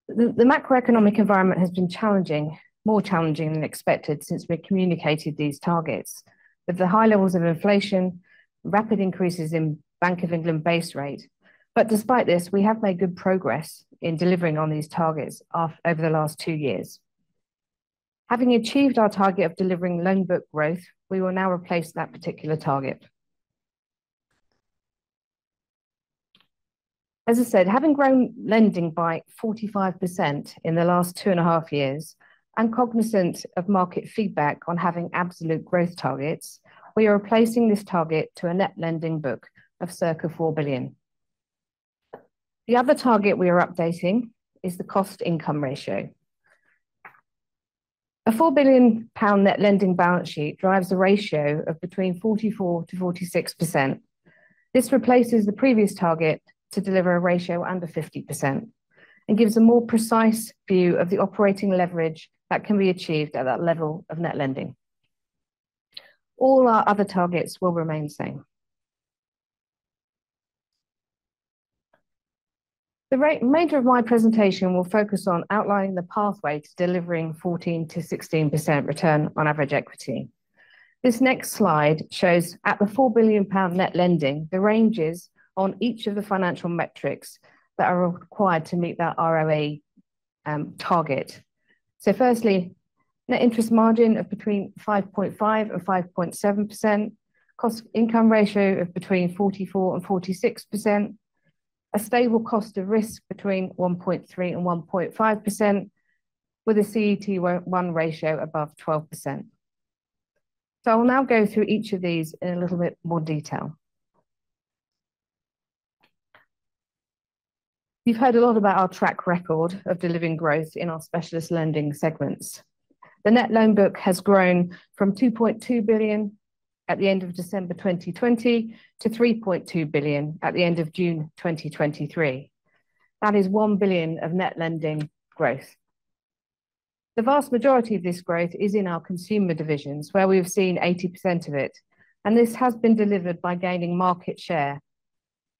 The macroeconomic environment has been challenging, more challenging than expected since we communicated these targets, with the high levels of inflation, rapid increases in Bank of England base rate. But despite this, we have made good progress in delivering on these targets over the last two years. Having achieved our target of delivering loan book growth, we will now replace that particular target. As I said, having grown lending by 45% in the last two and a half years, and cognizant of market feedback on having absolute growth targets, we are replacing this target to a net lending book of circa 4 billion. The other target we are updating is the cost-income ratio. A 4 billion pound net lending balance sheet drives a ratio of between 44%-46%. This replaces the previous target to deliver a ratio under 50% and gives a more precise view of the operating leverage that can be achieved at that level of net lending. All our other targets will remain the same. The major of my presentation will focus on outlining the pathway to delivering 14%-16% return on average equity. This next slide shows, at the 4 billion pound net lending, the ranges on each of the financial metrics that are required to meet that ROA target. So firstly, net interest margin of between 5.5% and 5.7%, cost income ratio of between 44% and 46%, a stable cost of risk between 1.3% and 1.5%, with a CET1 ratio above 12%. So I will now go through each of these in a little bit more detail. You've heard a lot about our track record of delivering growth in our specialist lending segments. The net loan book has grown from 2.2 billion at the end of December 2020 to 3.2 billion at the end of June 2023. That is 1 billion of net lending growth. The vast majority of this growth is in our consumer divisions, where we have seen 80% of it, and this has been delivered by gaining market share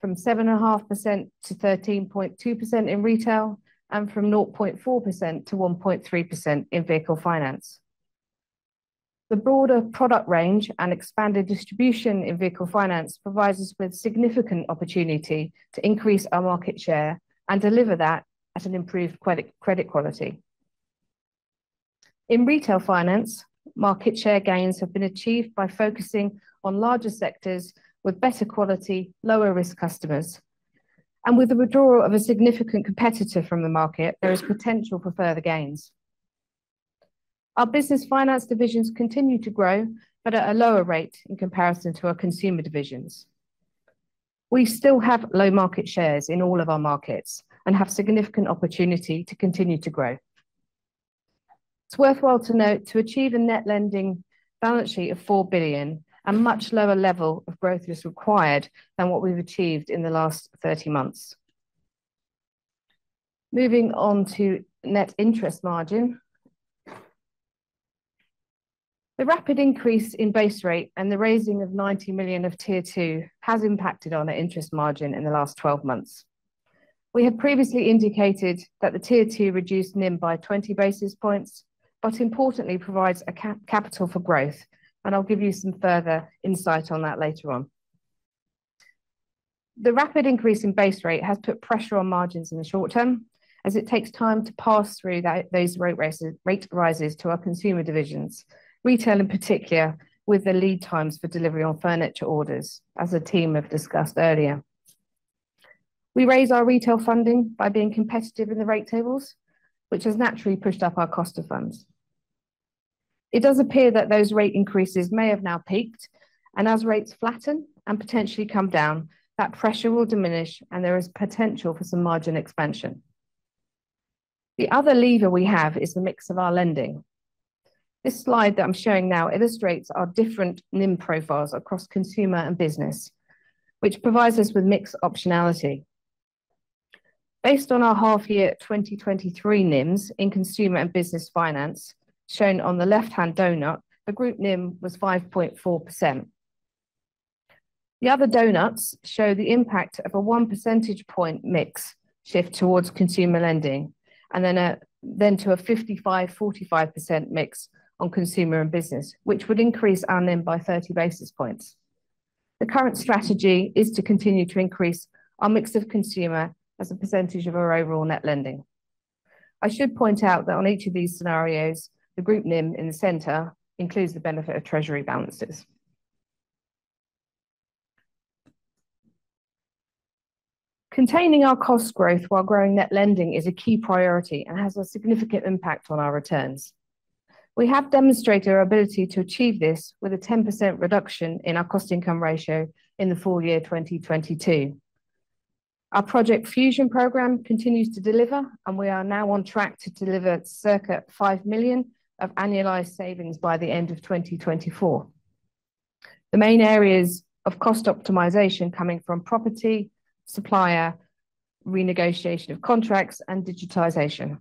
from 7.5% to 13.2% in retail and from 0.4% to 1.3% in vehicle finance. The broader product range and expanded distribution in vehicle finance provides us with significant opportunity to increase our market share and deliver that at an improved credit, credit quality. In retail finance, market share gains have been achieved by focusing on larger sectors with better quality, lower-risk customers. With the withdrawal of a significant competitor from the market, there is potential for further gains. Our business finance divisions continue to grow, but at a lower rate in comparison to our consumer divisions. We still have low market shares in all of our markets and have significant opportunity to continue to grow. It's worthwhile to note, to achieve a net lending balance sheet of £4 billion, a much lower level of growth is required than what we've achieved in the last 30 months. Moving on to net interest margin. The rapid increase in base rate and the raising of £90 million of Tier 2 has impacted on our interest margin in the last 12 months. We have previously indicated that the Tier 2 reduced NIM by 20 basis points, but importantly, provides capital for growth, and I'll give you some further insight on that later on. The rapid increase in base rate has put pressure on margins in the short term, as it takes time to pass through that, those rate rises, rate rises to our consumer divisions, retail in particular, with the lead times for delivery on furniture orders, as the team have discussed earlier. We raise our retail funding by being competitive in the rate tables, which has naturally pushed up our cost of funds. It does appear that those rate increases may have now peaked, and as rates flatten and potentially come down, that pressure will diminish and there is potential for some margin expansion. The other lever we have is the mix of our lending. This slide that I'm showing now illustrates our different NIM profiles across consumer and business, which provides us with mix optionality. Based on our half year 2023 NIMs in consumer and business finance, shown on the left-hand donut, the group NIM was 5.4%. The other donuts show the impact of a one percentage point mix shift towards consumer lending, and then to a 55-45% mix on consumer and business, which would increase our NIM by 30 basis points. The current strategy is to continue to increase our mix of consumer as a percentage of our overall net lending. I should point out that on each of these scenarios, the group NIM in the center includes the benefit of treasury balances. Containing our cost growth while growing net lending is a key priority and has a significant impact on our returns. We have demonstrated our ability to achieve this with a 10% reduction in our cost-income ratio in the full year 2022. Our Project Fusion program continues to deliver, and we are now on track to deliver circa 5 million of annualized savings by the end of 2024. The main areas of cost optimization coming from property, supplier, renegotiation of contracts, and digitization.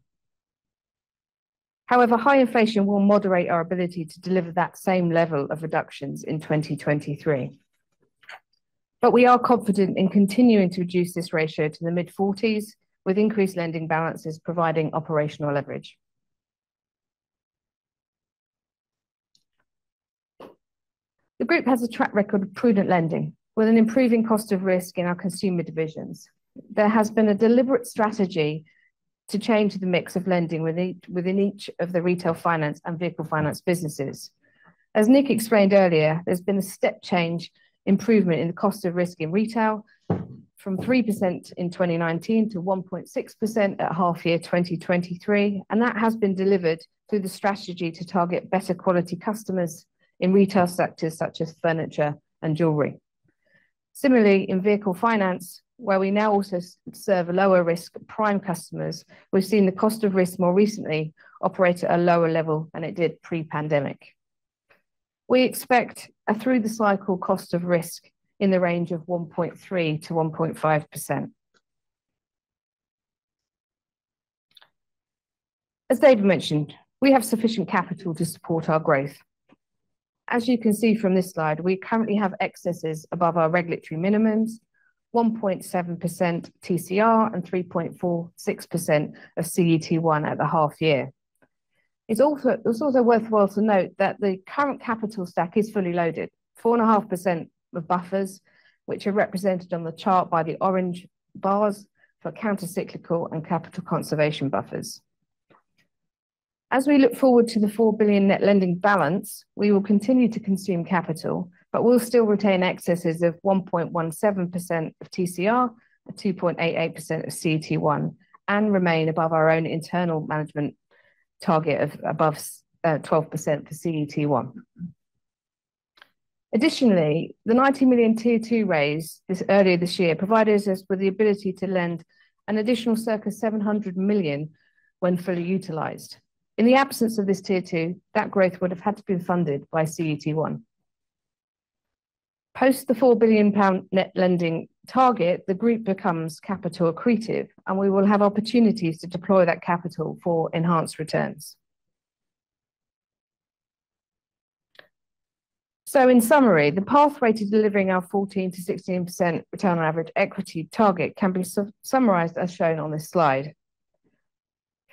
However, high inflation will moderate our ability to deliver that same level of reductions in 2023. But we are confident in continuing to reduce this ratio to the mid-40s%, with increased lending balances providing operational leverage. The group has a track record of prudent lending, with an improving cost of risk in our consumer divisions. There has been a deliberate strategy to change the mix of lending within each of the Retail Finance and Vehicle Finance businesses. As Nick explained earlier, there's been a step change improvement in the cost of risk in retail from 3% in 2019 to 1.6% at half year 2023, and that has been delivered through the strategy to target better quality customers in retail sectors such as furniture and jewelry. Similarly, in vehicle finance, where we now also serve a lower risk prime customers, we've seen the cost of risk more recently operate at a lower level than it did pre-pandemic. We expect a through-the-cycle cost of risk in the range of 1.3%-1.5%. As David mentioned, we have sufficient capital to support our growth. As you can see from this slide, we currently have excesses above our regulatory minimums, 1.7% TCR and 3.46% of CET1 at the half year. It's also worthwhile to note that the current capital stack is fully loaded, 4.5% of buffers, which are represented on the chart by the orange bars for countercyclical and capital conservation buffers. As we look forward to the £4 billion net lending balance, we will continue to consume capital, but we'll still retain excesses of 1.17% of TCR, a 2.88% of CET1, and remain above our own internal management target of above 12% for CET1. Additionally, the £90 million Tier 2 raise earlier this year provided us with the ability to lend an additional circa £700 million when fully utilized. In the absence of this Tier 2, that growth would have had to be funded by CET1. Post the 4 billion pound net lending target, the group becomes capital accretive, and we will have opportunities to deploy that capital for enhanced returns. So in summary, the pathway to delivering our 14%-16% return on average equity target can be summarized as shown on this slide.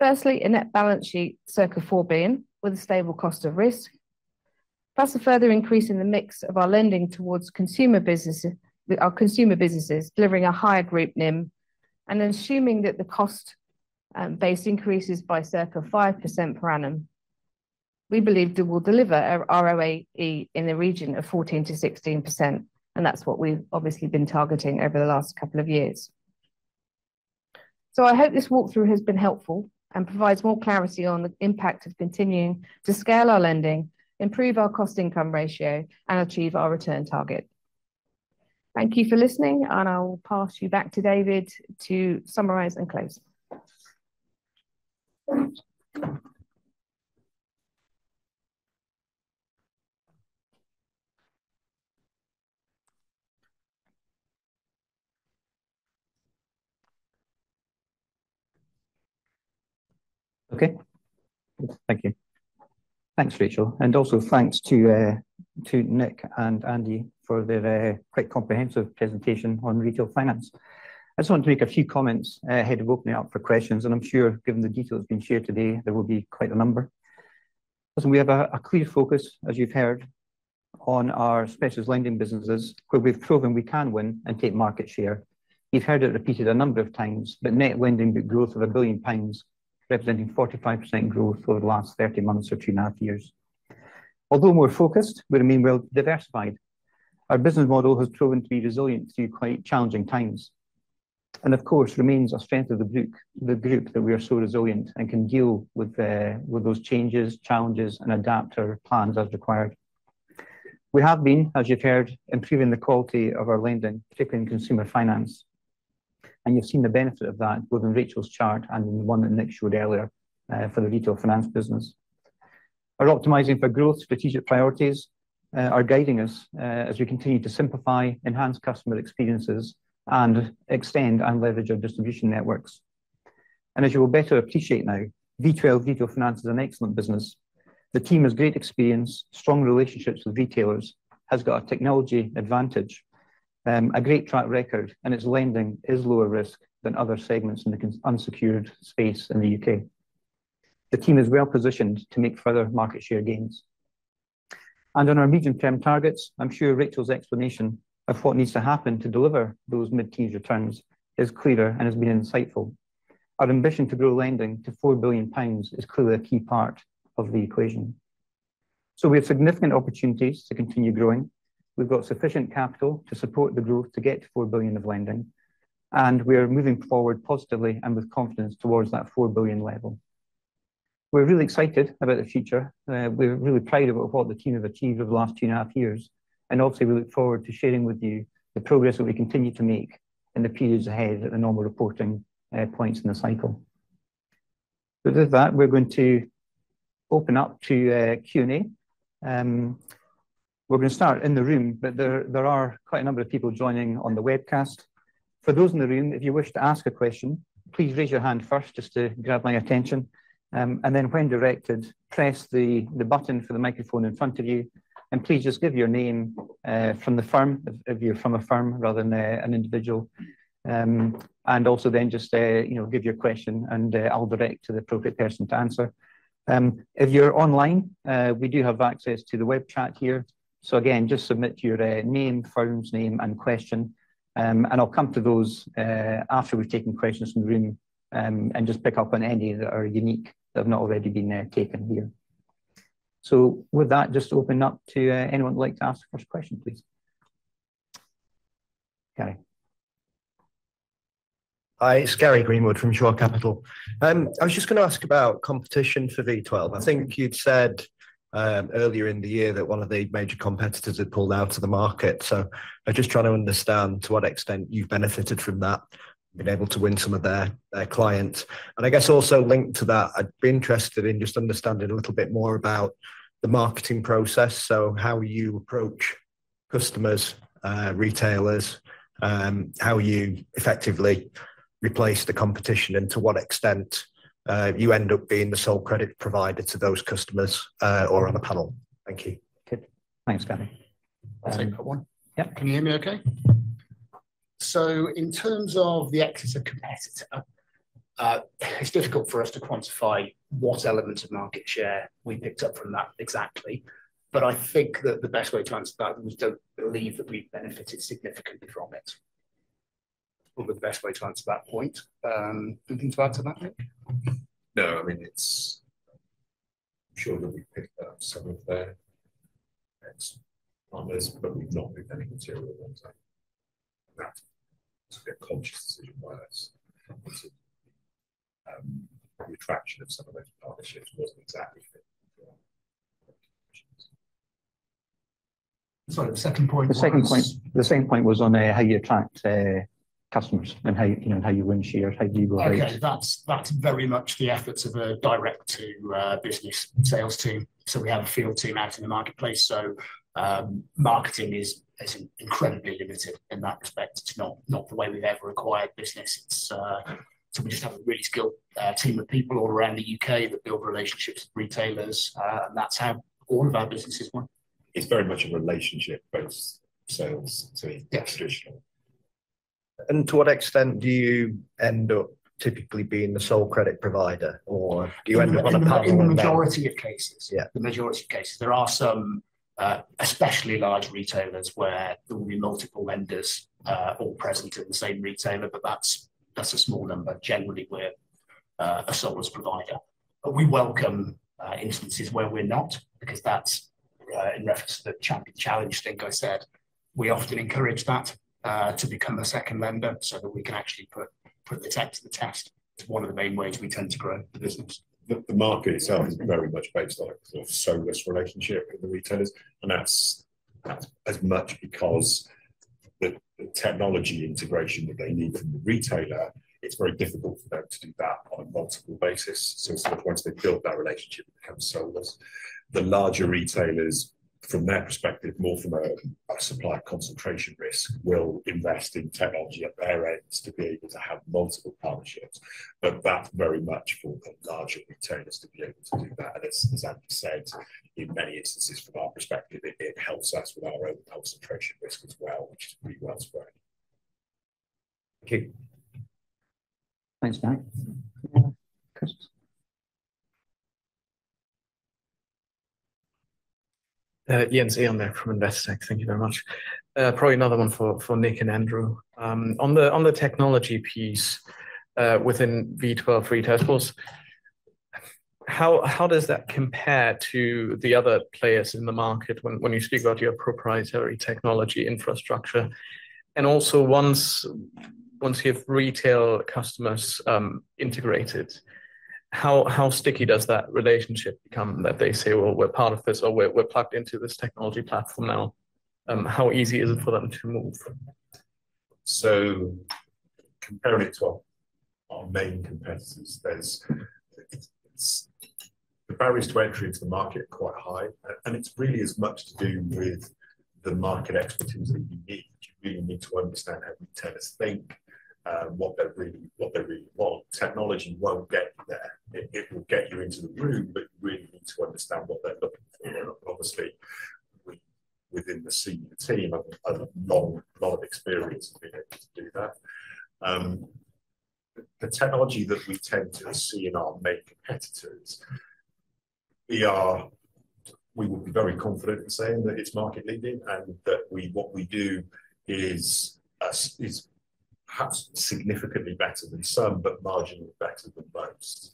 Firstly, a net balance sheet, circa 4 billion, with a stable cost of risk, plus a further increase in the mix of our lending towards consumer businesses, with our consumer businesses delivering a higher group NIM, and then assuming that the cost base increases by circa 5% per annum. We believe that we'll deliver our ROAE in the region of 14%-16%, and that's what we've obviously been targeting over the last couple of years. So I hope this walkthrough has been helpful and provides more clarity on the impact of continuing to scale our lending, improve our cost income ratio, and achieve our return target. Thank you for listening, and I will pass you back to David to summarize and close. Okay. Thank you. Thanks, Rachel, and also thanks to Nick and Andy for their quite comprehensive presentation on retail finance. I just want to make a few comments ahead of opening it up for questions, and I'm sure given the details being shared today, there will be quite a number.... So we have a clear focus, as you've heard, on our specialist lending businesses, where we've proven we can win and take market share. You've heard it repeated a number of times, but net lending growth of 1 billion pounds, representing 45% growth over the last 30 months or 2.5 years. Although more focused, we remain well diversified. Our business model has proven to be resilient through quite challenging times, and of course remains a strength of the group, the group that we are so resilient and can deal with, with those changes, challenges, and adapt our plans as required. We have been, as you've heard, improving the quality of our lending, particularly in consumer finance, and you've seen the benefit of that within Rachel's chart and in the one that Nick showed earlier, for the retail finance business. Our optimizing for growth strategic priorities, are guiding us, as we continue to simplify, enhance customer experiences, and extend and leverage our distribution networks. And as you will better appreciate now, V12 Retail Finance is an excellent business. The team has great experience, strong relationships with retailers, has got a technology advantage, a great track record, and its lending is lower risk than other segments in the unsecured space in the U.K. The team is well positioned to make further market share gains. On our medium-term targets, I'm sure Rachel's explanation of what needs to happen to deliver those mid-teen returns is clearer and has been insightful. Our ambition to grow lending to 4 billion pounds is clearly a key part of the equation. We have significant opportunities to continue growing. We've got sufficient capital to support the growth, to get to 4 billion of lending, and we are moving forward positively and with confidence towards that 4 billion level. We're really excited about the future. We're really proud about what the team have achieved over the last 2.5 years, and obviously we look forward to sharing with you the progress that we continue to make in the periods ahead at the normal reporting points in the cycle. So with that, we're going to open up to Q&A. We're going to start in the room, but there are quite a number of people joining on the webcast. For those in the room, if you wish to ask a question, please raise your hand first just to grab my attention, and then when directed, press the button for the microphone in front of you. And please just give your name from the firm, if you're from a firm rather than an individual. And also then just, you know, give your question, and, I'll direct to the appropriate person to answer. If you're online, we do have access to the web chat here. So again, just submit your, name, firm's name, and question, and I'll come to those, after we've taken questions from the room, and just pick up on any that are unique, that have not already been, taken here. So with that, just open up to, anyone who'd like to ask the first question, please. Gary. Hi, it's Gary Greenwood from Shore Capital. I was just going to ask about competition for V12. I think you'd said, earlier in the year that one of the major competitors had pulled out of the market. So I'm just trying to understand to what extent you've benefited from that, been able to win some of their, their clients. And I guess also linked to that, I'd be interested in just understanding a little bit more about the marketing process, so how you approach customers, retailers, how you effectively replace the competition, and to what extent, you end up being the sole credit provider to those customers, or on a panel? Thank you. Good. Thanks, Gary. I'll take that one. Yeah. Can you hear me okay? So in terms of the exit of competitor, it's difficult for us to quantify what elements of market share we picked up from that exactly. But I think that the best way to answer that is we don't believe that we've benefited significantly from it. Probably the best way to answer that point. Anything to add to that, Nick? No, I mean, it's... I'm sure that we picked up some of their ex-partners, but we've not been any material impact. That was a conscious decision by us. The attraction of some of those partnerships wasn't exactly fit for our conditions. Sorry, the second point was? The second point, the second point was on, how you attract, customers and how, you know, how you win shares, how do you go about it? Okay, that's very much the efforts of a direct to business sales team. So we have a field team out in the marketplace, so marketing is incredibly limited in that respect. It's not the way we've ever acquired business. It's so we just have a really skilled team of people all around the UK that build relationships with retailers, and that's how all of our businesses work. It's very much a relationship-based sales team. Yeah. Traditional. To what extent do you end up typically being the sole credit provider, or do you end up on a panel? In the majority of cases. Yeah. The majority of cases. There are some, especially large retailers, where there will be multiple lenders, all present at the same retailer, but that's, that's a small number. Generally, we're a sole provider. But we welcome instances where we're not, because that's, in reference to the challenge thing I said, we often encourage that, to become a second lender so that we can actually put the tech to the test. It's one of the main ways we tend to grow the business. The market itself is very much based on a sort of solus relationship with the retailers, and that's as much because the technology integration that they need from the retailer, it's very difficult for them to do that on a multiple basis. So once they've built that relationship and become solus, the larger retailers, from their perspective, more from a supplier concentration risk, will invest in technology at their ends to be able to have multiple partnerships. But that's very much for the larger retailers to be able to do that. And as Andy said, in many instances, from our perspective, it helps us with our own concentration risk as well, which is pretty well spread.... Thank you. Thanks, Nick. Chris? Jens Ehrenberg from Investec. Thank you very much. Probably another one for Nick and Andrew. On the technology piece within V12 Retail Finance, how does that compare to the other players in the market when you speak about your proprietary technology infrastructure? And also once you have retail customers integrated, how sticky does that relationship become that they say, "Well, we're part of this," or, "We're plugged into this technology platform now?" How easy is it for them to move from that? Comparing it to our main competitors, it's the barriers to entry into the market are quite high, and it's really as much to do with the market expertise that you need. You really need to understand how retailers think, and what they really want. Technology won't get you there. It will get you into the room, but you really need to understand what they're looking for. And obviously, we within the senior team have a lot of experience being able to do that. The technology that we tend to see in our main competitors, we would be very confident in saying that it's market leading, and that what we do is perhaps significantly better than some, but marginally better than most.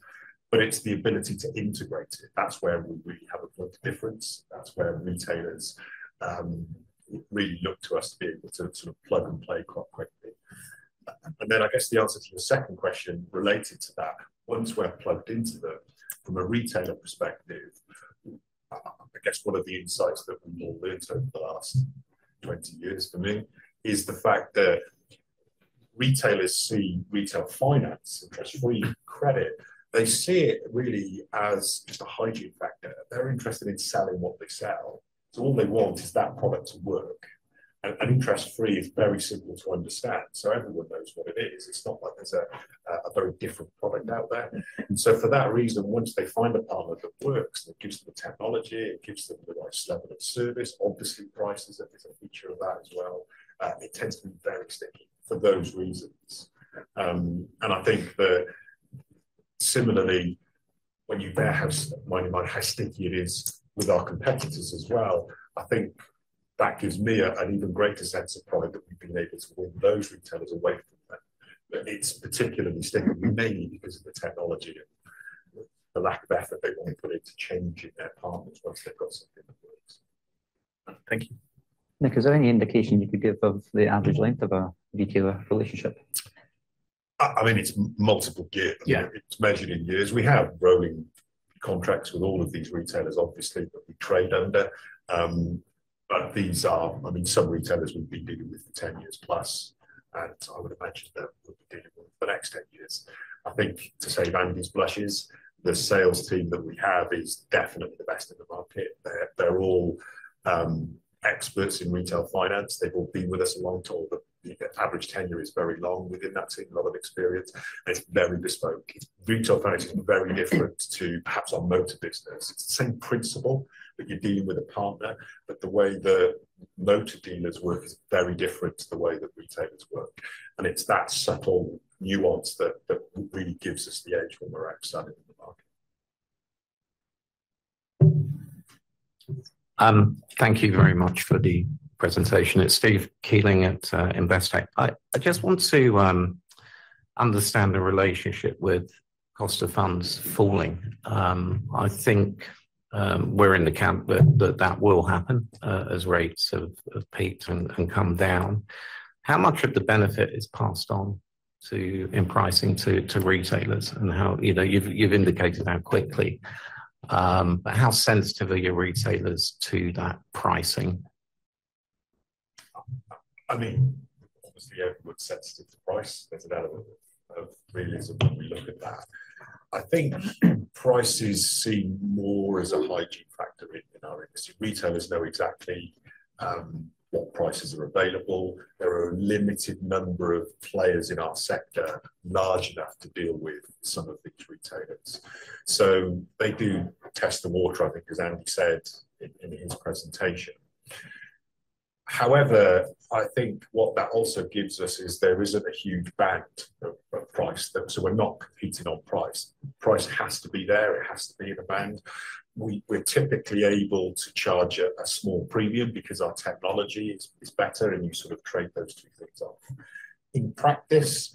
But it's the ability to integrate it, that's where we really have a point of difference. That's where retailers really look to us to be able to sort of plug and play quite quickly. And then I guess the answer to the second question related to that, once we're plugged into them, from a retailer perspective, I guess one of the insights that we've all learned over the last 20 years for me, is the fact that retailers see retail finance, interest-free credit, they see it really as just a hygiene factor. They're interested in selling what they sell, so all they want is that product to work. And interest-free is very simple to understand, so everyone knows what it is. It's not like there's a very different product out there. Mm-hmm. And so for that reason, once they find a partner that works, that gives them the technology, it gives them the right level of service, obviously price is a feature of that as well, it tends to be very sticky for those reasons. And I think that similarly, when you bear in mind how sticky it is with our competitors as well, I think that gives me an even greater sense of pride that we've been able to win those retailers away from them. But it's particularly sticky for me, because of the technology and the lack of effort they want to put into changing their partners once they've got something that works. Thank you. Nick, is there any indication you could give of the average length of a retailer relationship? I mean, it's multiple years. Yeah. It's measured in years. We have rolling contracts with all of these retailers, obviously, that we trade under. But these are, I mean, some retailers, we've been dealing with for 10 years plus, and I would imagine that we'll be dealing with for the next 10 years. I think, to save Andy's blushes, the sales team that we have is definitely the best in the market. They're all experts in retail finance. They've all been with us a long time, the average tenure is very long within that team, a lot of experience, and it's very bespoke. Retail finance is very different to perhaps our motor business. It's the same principle, that you're dealing with a partner, but the way the motor dealers work is very different to the way that retailers work. It's that subtle nuance that really gives us the edge when we're out selling in the market. Thank you very much for the presentation. It's Steve Keeling at Investec. I just want to understand the relationship with cost of funds falling. I think we're in the camp that that will happen as rates have peaked and come down. How much of the benefit is passed on to, in pricing to retailers, and how... You know, you've indicated how quickly. But how sensitive are your retailers to that pricing? I mean, obviously everyone's sensitive to price. There's an element of realism when we look at that. I think prices seem more as a hygiene factor in our industry. Retailers know exactly what prices are available. There are a limited number of players in our sector, large enough to deal with some of these retailers. So they do test the water, I think, as Andy said in his presentation. However, I think what that also gives us is there isn't a huge band of price, so we're not competing on price. Price has to be there, it has to be in a band. We're typically able to charge a small premium because our technology is better, and you sort of trade those two things off. In practice,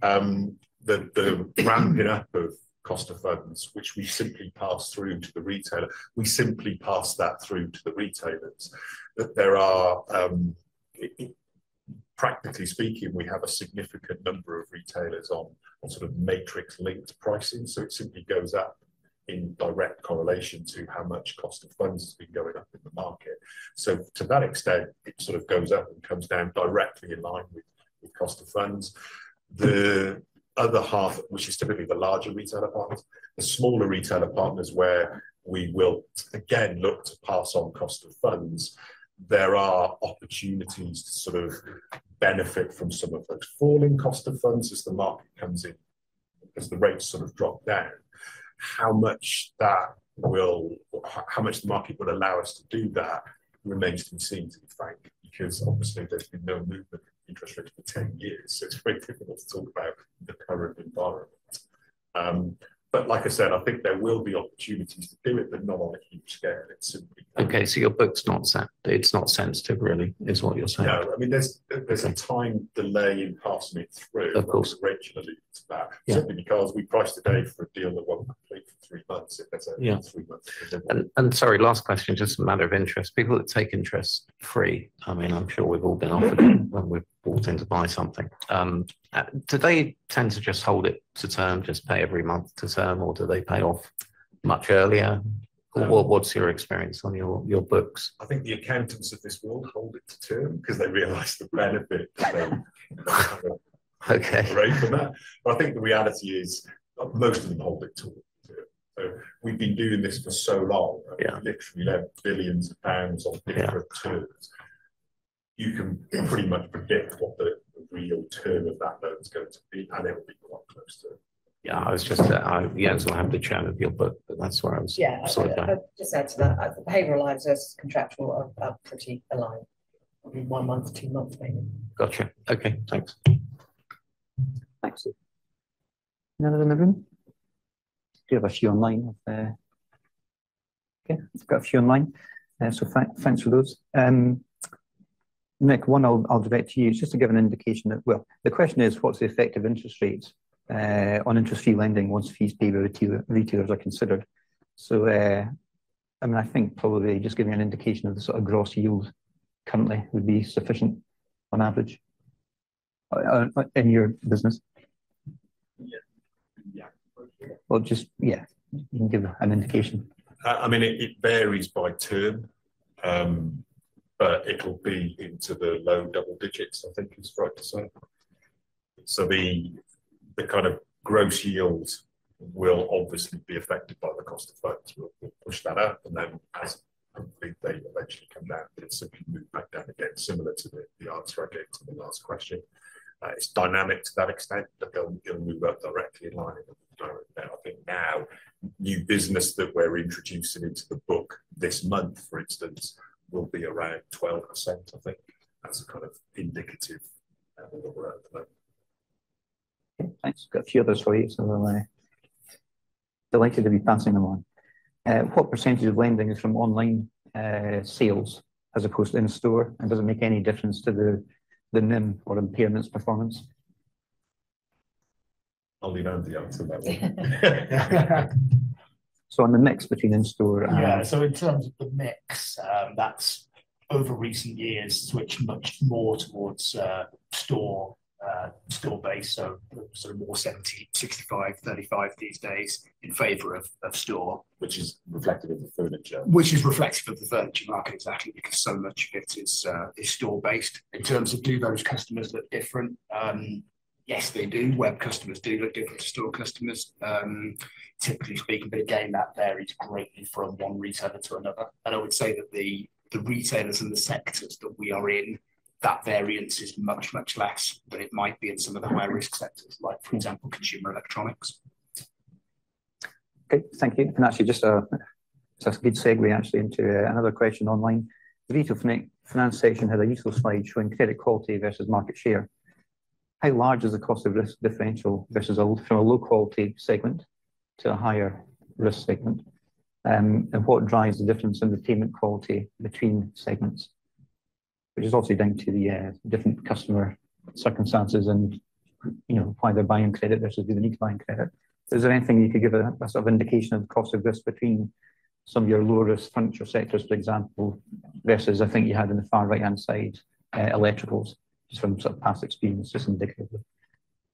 the rounding up of cost of funds, which we simply pass through to the retailer, we simply pass that through to the retailers. But there are, practically speaking, we have a significant number of retailers on sort of matrix-linked pricing, so it simply goes up in direct correlation to how much cost of funds has been going up in the market. So to that extent, it sort of goes up and comes down directly in line with cost of funds. The other half, which is typically the larger retailer partners, the smaller retailer partners, where we will again look to pass on cost of funds, there are opportunities to sort of benefit from some of those falling cost of funds as the market comes in-... As the rates sort of drop down, how much that will, or how, how much the market would allow us to do that remains to be seen, to be frank, because obviously there's been no movement in interest rates for 10 years, so it's very difficult to talk about the current environment. But like I said, I think there will be opportunities to do it, but not on a huge scale. It's- Okay, so your book's not sensitive really, is what you're saying? No, I mean, there's a time delay in passing it through- Of course. Originally to that. Yeah. Certainly, because we priced today for a deal that won't complete for three months, if that's- Yeah. Three months. And sorry, last question, just a matter of interest. People that take interest-free, I mean, I'm sure we've all been offered it- Mm. -when we've walked in to buy something. Do they tend to just hold it to term, just pay every month to term, or do they pay off much earlier? Um- What's your experience on your books? I think the accountants of this world hold it to term because they realize the benefit. Okay. From that. But I think the reality is, most of them hold it to... So we've been doing this for so long. Yeah. Literally lent billions pounds on different terms. Yeah. You can pretty much predict what the real term of that loan is going to be, and it will be quite close to. Yeah, I was just, yeah, so I have the Chairman of your board, but that's where I was. Yeah. Sorry. Just add to that. The behavioral lines as contractual are, are pretty aligned. One month, two months maybe. Gotcha. Okay, thanks. Thanks. Anyone in the room? We have a few online. Okay, we've got a few online. So thanks, thanks for those. Nick, one I'll, I'll direct to you, just to give an indication that... Well, the question is: What's the effect of interest rates on interest-free lending once fees paid by retail, retailers are considered? So, I mean, I think probably just giving an indication of the sort of gross yield currently would be sufficient on average in your business. Yeah. Yeah. Well, just, yeah, you can give an indication. I mean, it, it varies by term. But it'll be into the low double digits, I think is right to say. So the, the kind of gross yields will obviously be affected by the cost of funds. We'll, we'll push that out, and then as complete, they eventually come down, and so we move back down again, similar to the, the answer I gave to the last question. It's dynamic to that extent, but they'll, they'll move up directly in line with the current. I think now, new business that we're introducing into the book this month, for instance, will be around 12%. I think that's a kind of indicative of where we're at, but. Okay, thanks. Got a few of those for you, so I'm delighted to be passing them on. What percentage of lending is from online sales as opposed to in-store? And does it make any difference to the NIM or impairments performance? I'll leave out the answer that one. So on the mix between in-store and- Yeah. So in terms of the mix, that's over recent years switched much more towards store base. So sort of more 70, 65, 35 these days in favor of store. Which is reflected in the furniture. Which is reflected in the furniture market exactly, because so much of it is store-based. In terms of do those customers look different? Yes, they do. Web customers do look different to store customers, typically speaking, but again, that varies greatly from one retailer to another. And I would say that the retailers and the sectors that we are in, that variance is much, much less than it might be in some of the higher risk sectors, like for example, consumer electronics. Okay, thank you. And actually, just a good segue actually into another question online. The V12 Finance section has a useful slide showing credit quality versus market share. How large is the cost of this differential versus from a low-quality segment to a higher risk segment? And what drives the difference in the payment quality between segments, which is obviously down to the different customer circumstances and, you know, why they're buying credit versus do they need to buy on credit. Is there anything you could give a sort of indication of the cost of risk between some of your low-risk furniture sectors, for example, versus I think you had in the far right-hand side electricals, just from some past experience, just indicatively?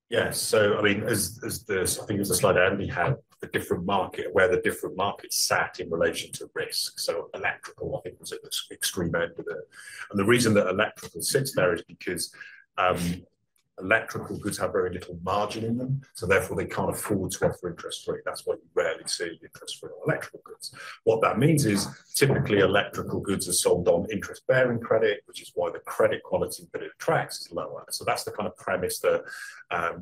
Yeah. So I mean, as this, I think it was the slide Andy had, the different market, where the different markets sat in relation to risk. So electrical, I think, was at the extreme end of it. And the reason that electrical sits there is because electrical goods have very little margin in them, so therefore, they can't afford to offer interest-free. That's why you rarely see interest-free on electrical goods. What that means is, typically, electrical goods are sold on interest-bearing credit, which is why the credit quality that it attracts is lower. So that's the kind of premise that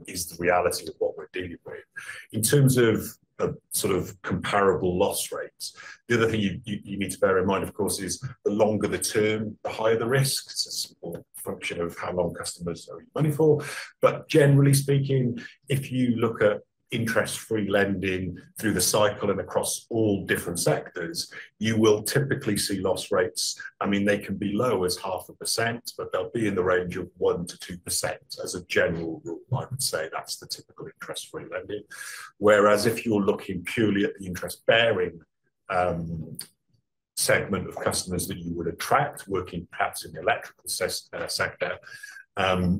is the reality of what we're dealing with. In terms of the sort of comparable loss rates, the other thing you need to bear in mind, of course, is the longer the term, the higher the risk. It's a simple function of how long customers owe you money for. But generally speaking, if you look at interest-free lending through the cycle and across all different sectors, you will typically see loss rates. I mean, they can be as low as 0.5%, but they'll be in the range of 1%-2% as a general rule. I would say that's the typical interest-free lending. Whereas if you're looking purely at the interest-bearing segment of customers that you would attract, working perhaps in the electrical sector,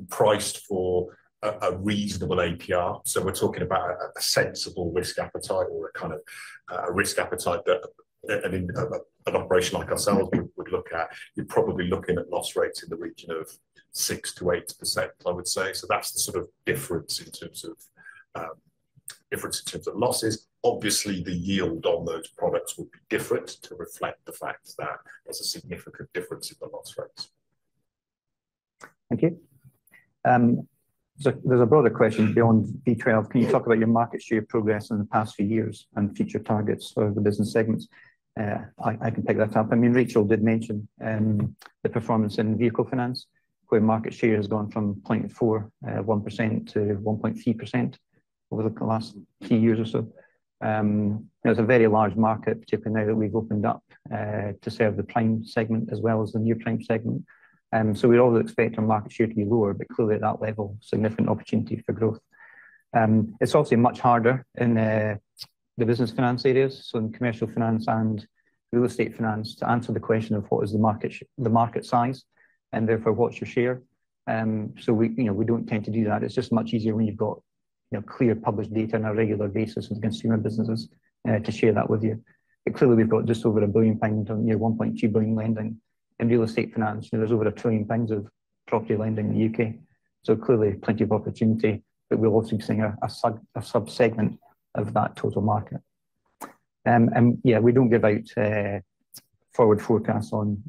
priced for a reasonable APR. So we're talking about a sensible risk appetite or a kind of a risk appetite that an operation like ourselves would look at. You're probably looking at loss rates in the region of 6%-8%, I would say. That's the sort of difference in terms of losses. Obviously, the yield on those products would be different to reflect the fact that there's a significant difference in the loss rates.... Thank you. So there's a broader question beyond V12. Can you talk about your market share progress in the past few years and future targets for the business segments? I, I can pick that up. I mean, Rachel did mention the performance in Vehicle Finance, where market share has gone from 0.41% to 1.3% over the last few years or so. It's a very large market, particularly now that we've opened up to serve the prime segment as well as the near prime segment. So we'd always expect our market share to be lower, but clearly at that level, significant opportunity for growth. It's obviously much harder in the business finance areas, so in Commercial Finance and Real Estate Finance, to answer the question of what is the market size, and therefore, what's your share? So we, you know, we don't tend to do that. It's just much easier when you've got, you know, clear published data on a regular basis with consumer businesses to share that with you. But clearly, we've got just over 1 billion pounds, near 1.2 billion lending. In Real Estate Finance, you know, there's over 1 trillion pounds of property lending in the UK, so clearly plenty of opportunity, but we're also seeing a subsegment of that total market. And yeah, we don't give out forward forecasts on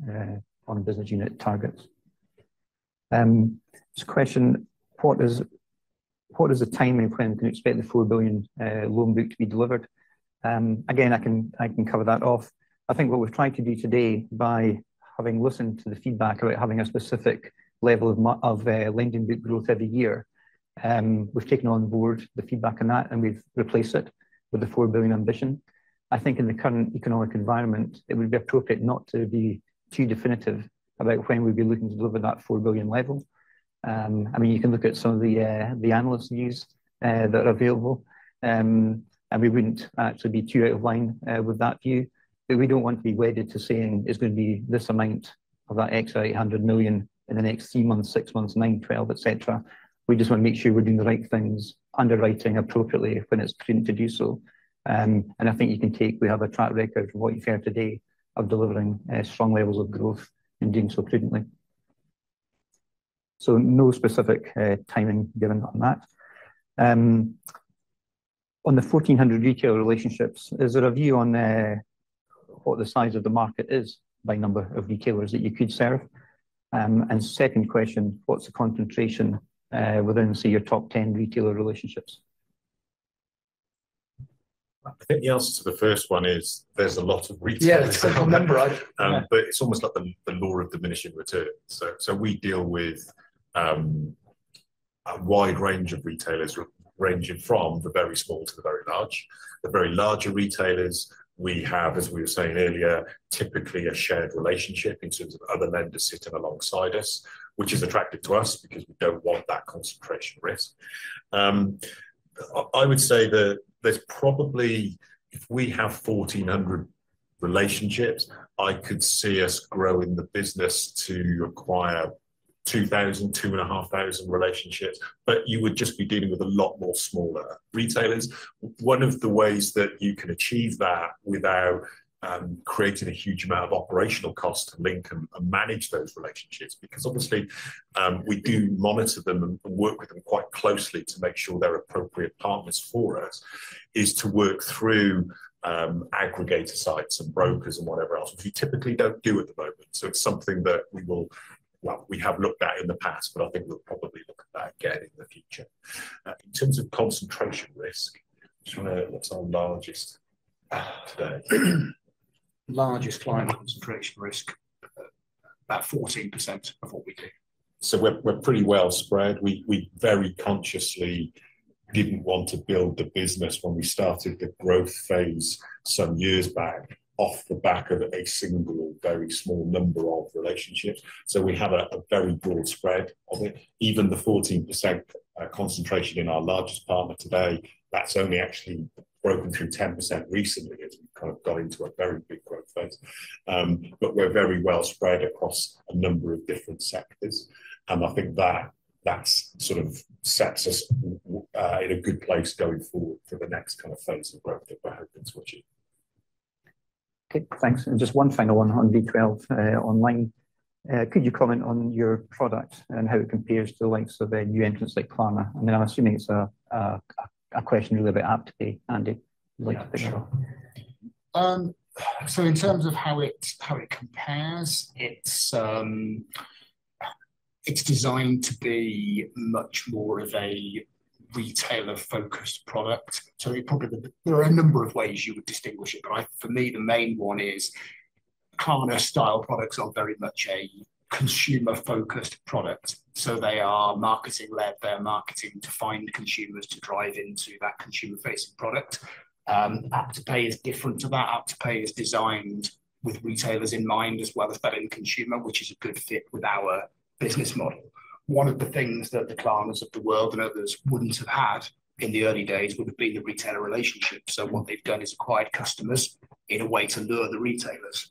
business unit targets. There's a question: What is the timing when we can expect the 4 billion loan book to be delivered? Again, I can cover that off. I think what we've tried to do today by having listened to the feedback about having a specific level of lending book growth every year, we've taken on board the feedback on that, and we've replaced it with the 4 billion ambition. I think in the current economic environment, it would be appropriate not to be too definitive about when we'd be looking to deliver that 4 billion level. I mean, you can look at some of the analyst views that are available, and we wouldn't actually be too out of line with that view. But we don't want to be wedded to saying it's going to be this amount of that extra 800 million in the next 3 months, 6 months, 9, 12, et cetera. We just want to make sure we're doing the right things, underwriting appropriately when it's prudent to do so. And I think you can take we have a track record from what you've heard today of delivering strong levels of growth and doing so prudently. So no specific timing given on that. On the 1,400 retailer relationships, is there a view on what the size of the market is by number of retailers that you could serve? And second question, what's the concentration within, say, your top 10 retailer relationships? I think the answer to the first one is there's a lot of retailers. Yeah, there's a number, right? But it's almost like the law of diminishing returns. So we deal with a wide range of retailers, ranging from the very small to the very large. The very large retailers we have, as we were saying earlier, typically a shared relationship in terms of other lenders sitting alongside us, which is attractive to us because we don't want that concentration risk. I would say that there's probably... If we have 1,400 relationships, I could see us growing the business to acquire 2,000-2,500 relationships, but you would just be dealing with a lot more smaller retailers. One of the ways that you can achieve that without creating a huge amount of operational cost to link and manage those relationships, because obviously we do monitor them and work with them quite closely to make sure they're appropriate partners for us, is to work through aggregator sites and brokers and whatever else, which we typically don't do at the moment. So it's something that we will, well, we have looked at in the past, but I think we'll probably look at that again in the future. In terms of concentration risk, I'm just wondering what's our largest today? Largest client concentration risk, about 14% of what we do. So we're pretty well spread. We very consciously didn't want to build the business when we started the growth phase some years back, off the back of a single, very small number of relationships. So we have a very broad spread of it. Even the 14% concentration in our largest partner today, that's only actually broken through 10% recently, as we kind of got into a very big growth phase. But we're very well spread across a number of different sectors, and I think that sort of sets us in a good place going forward for the next kind of phase of growth that we're hoping to achieve. Okay, thanks. And just one final one on V12 online. Could you comment on your product and how it compares to the likes of a new entrant like Klarna? I mean, I'm assuming it's a question really about AppToPay. Andy, would you like to pitch in? Sure. So in terms of how it compares, it's designed to be much more of a retailer-focused product. So probably, there are a number of ways you would distinguish it, but for me, the main one is Klarna-style products are very much a consumer-focused product. So they are marketing-led. They're marketing to find consumers to drive into that consumer-facing product. AppToPay is different to that. AppToPay is designed with retailers in mind as well as the end consumer, which is a good fit with our business model. One of the things that the Klarnas of the world and others wouldn't have had in the early days would have been the retailer relationship. So what they've done is acquired customers in a way to lure the retailers.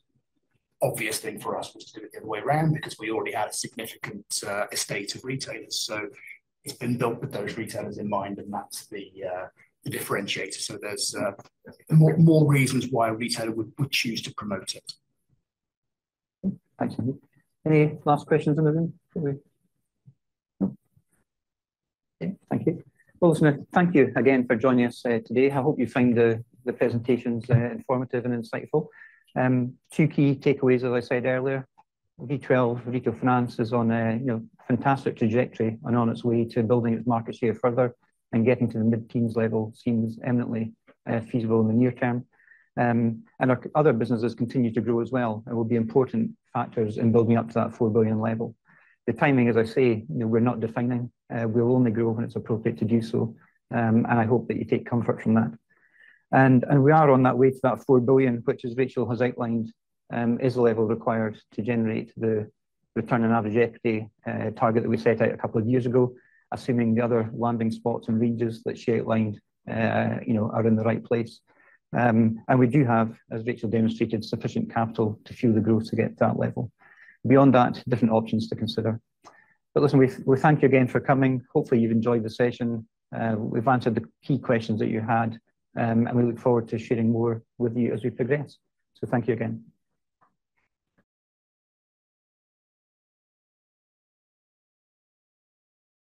Obvious thing for us was to do it the other way around because we already had a significant estate of retailers. So it's been built with those retailers in mind, and that's the differentiator. So there's more reasons why a retailer would choose to promote it. Thanks, Andy. Any last questions in the room before we... Okay, thank you. Well, listen, thank you again for joining us, today. I hope you find the, the presentations, informative and insightful. Two key takeaways, as I said earlier, V12 Retail Finance is on a, you know, fantastic trajectory and on its way to building its market share further and getting to the mid-teens level seems eminently, feasible in the near term. And our other businesses continue to grow as well and will be important factors in building up to that 4 billion level. The timing, as I say, you know, we're not defining. We'll only grow when it's appropriate to do so, and I hope that you take comfort from that. And we are on that way to that 4 billion, which as Rachel has outlined, is the level required to generate the return on average equity target that we set out a couple of years ago, assuming the other landing spots and ranges that she outlined, you know, are in the right place. And we do have, as Rachel demonstrated, sufficient capital to fuel the growth to get to that level. Beyond that, different options to consider. But listen, we thank you again for coming. Hopefully, you've enjoyed the session, we've answered the key questions that you had, and we look forward to sharing more with you as we progress. So thank you again.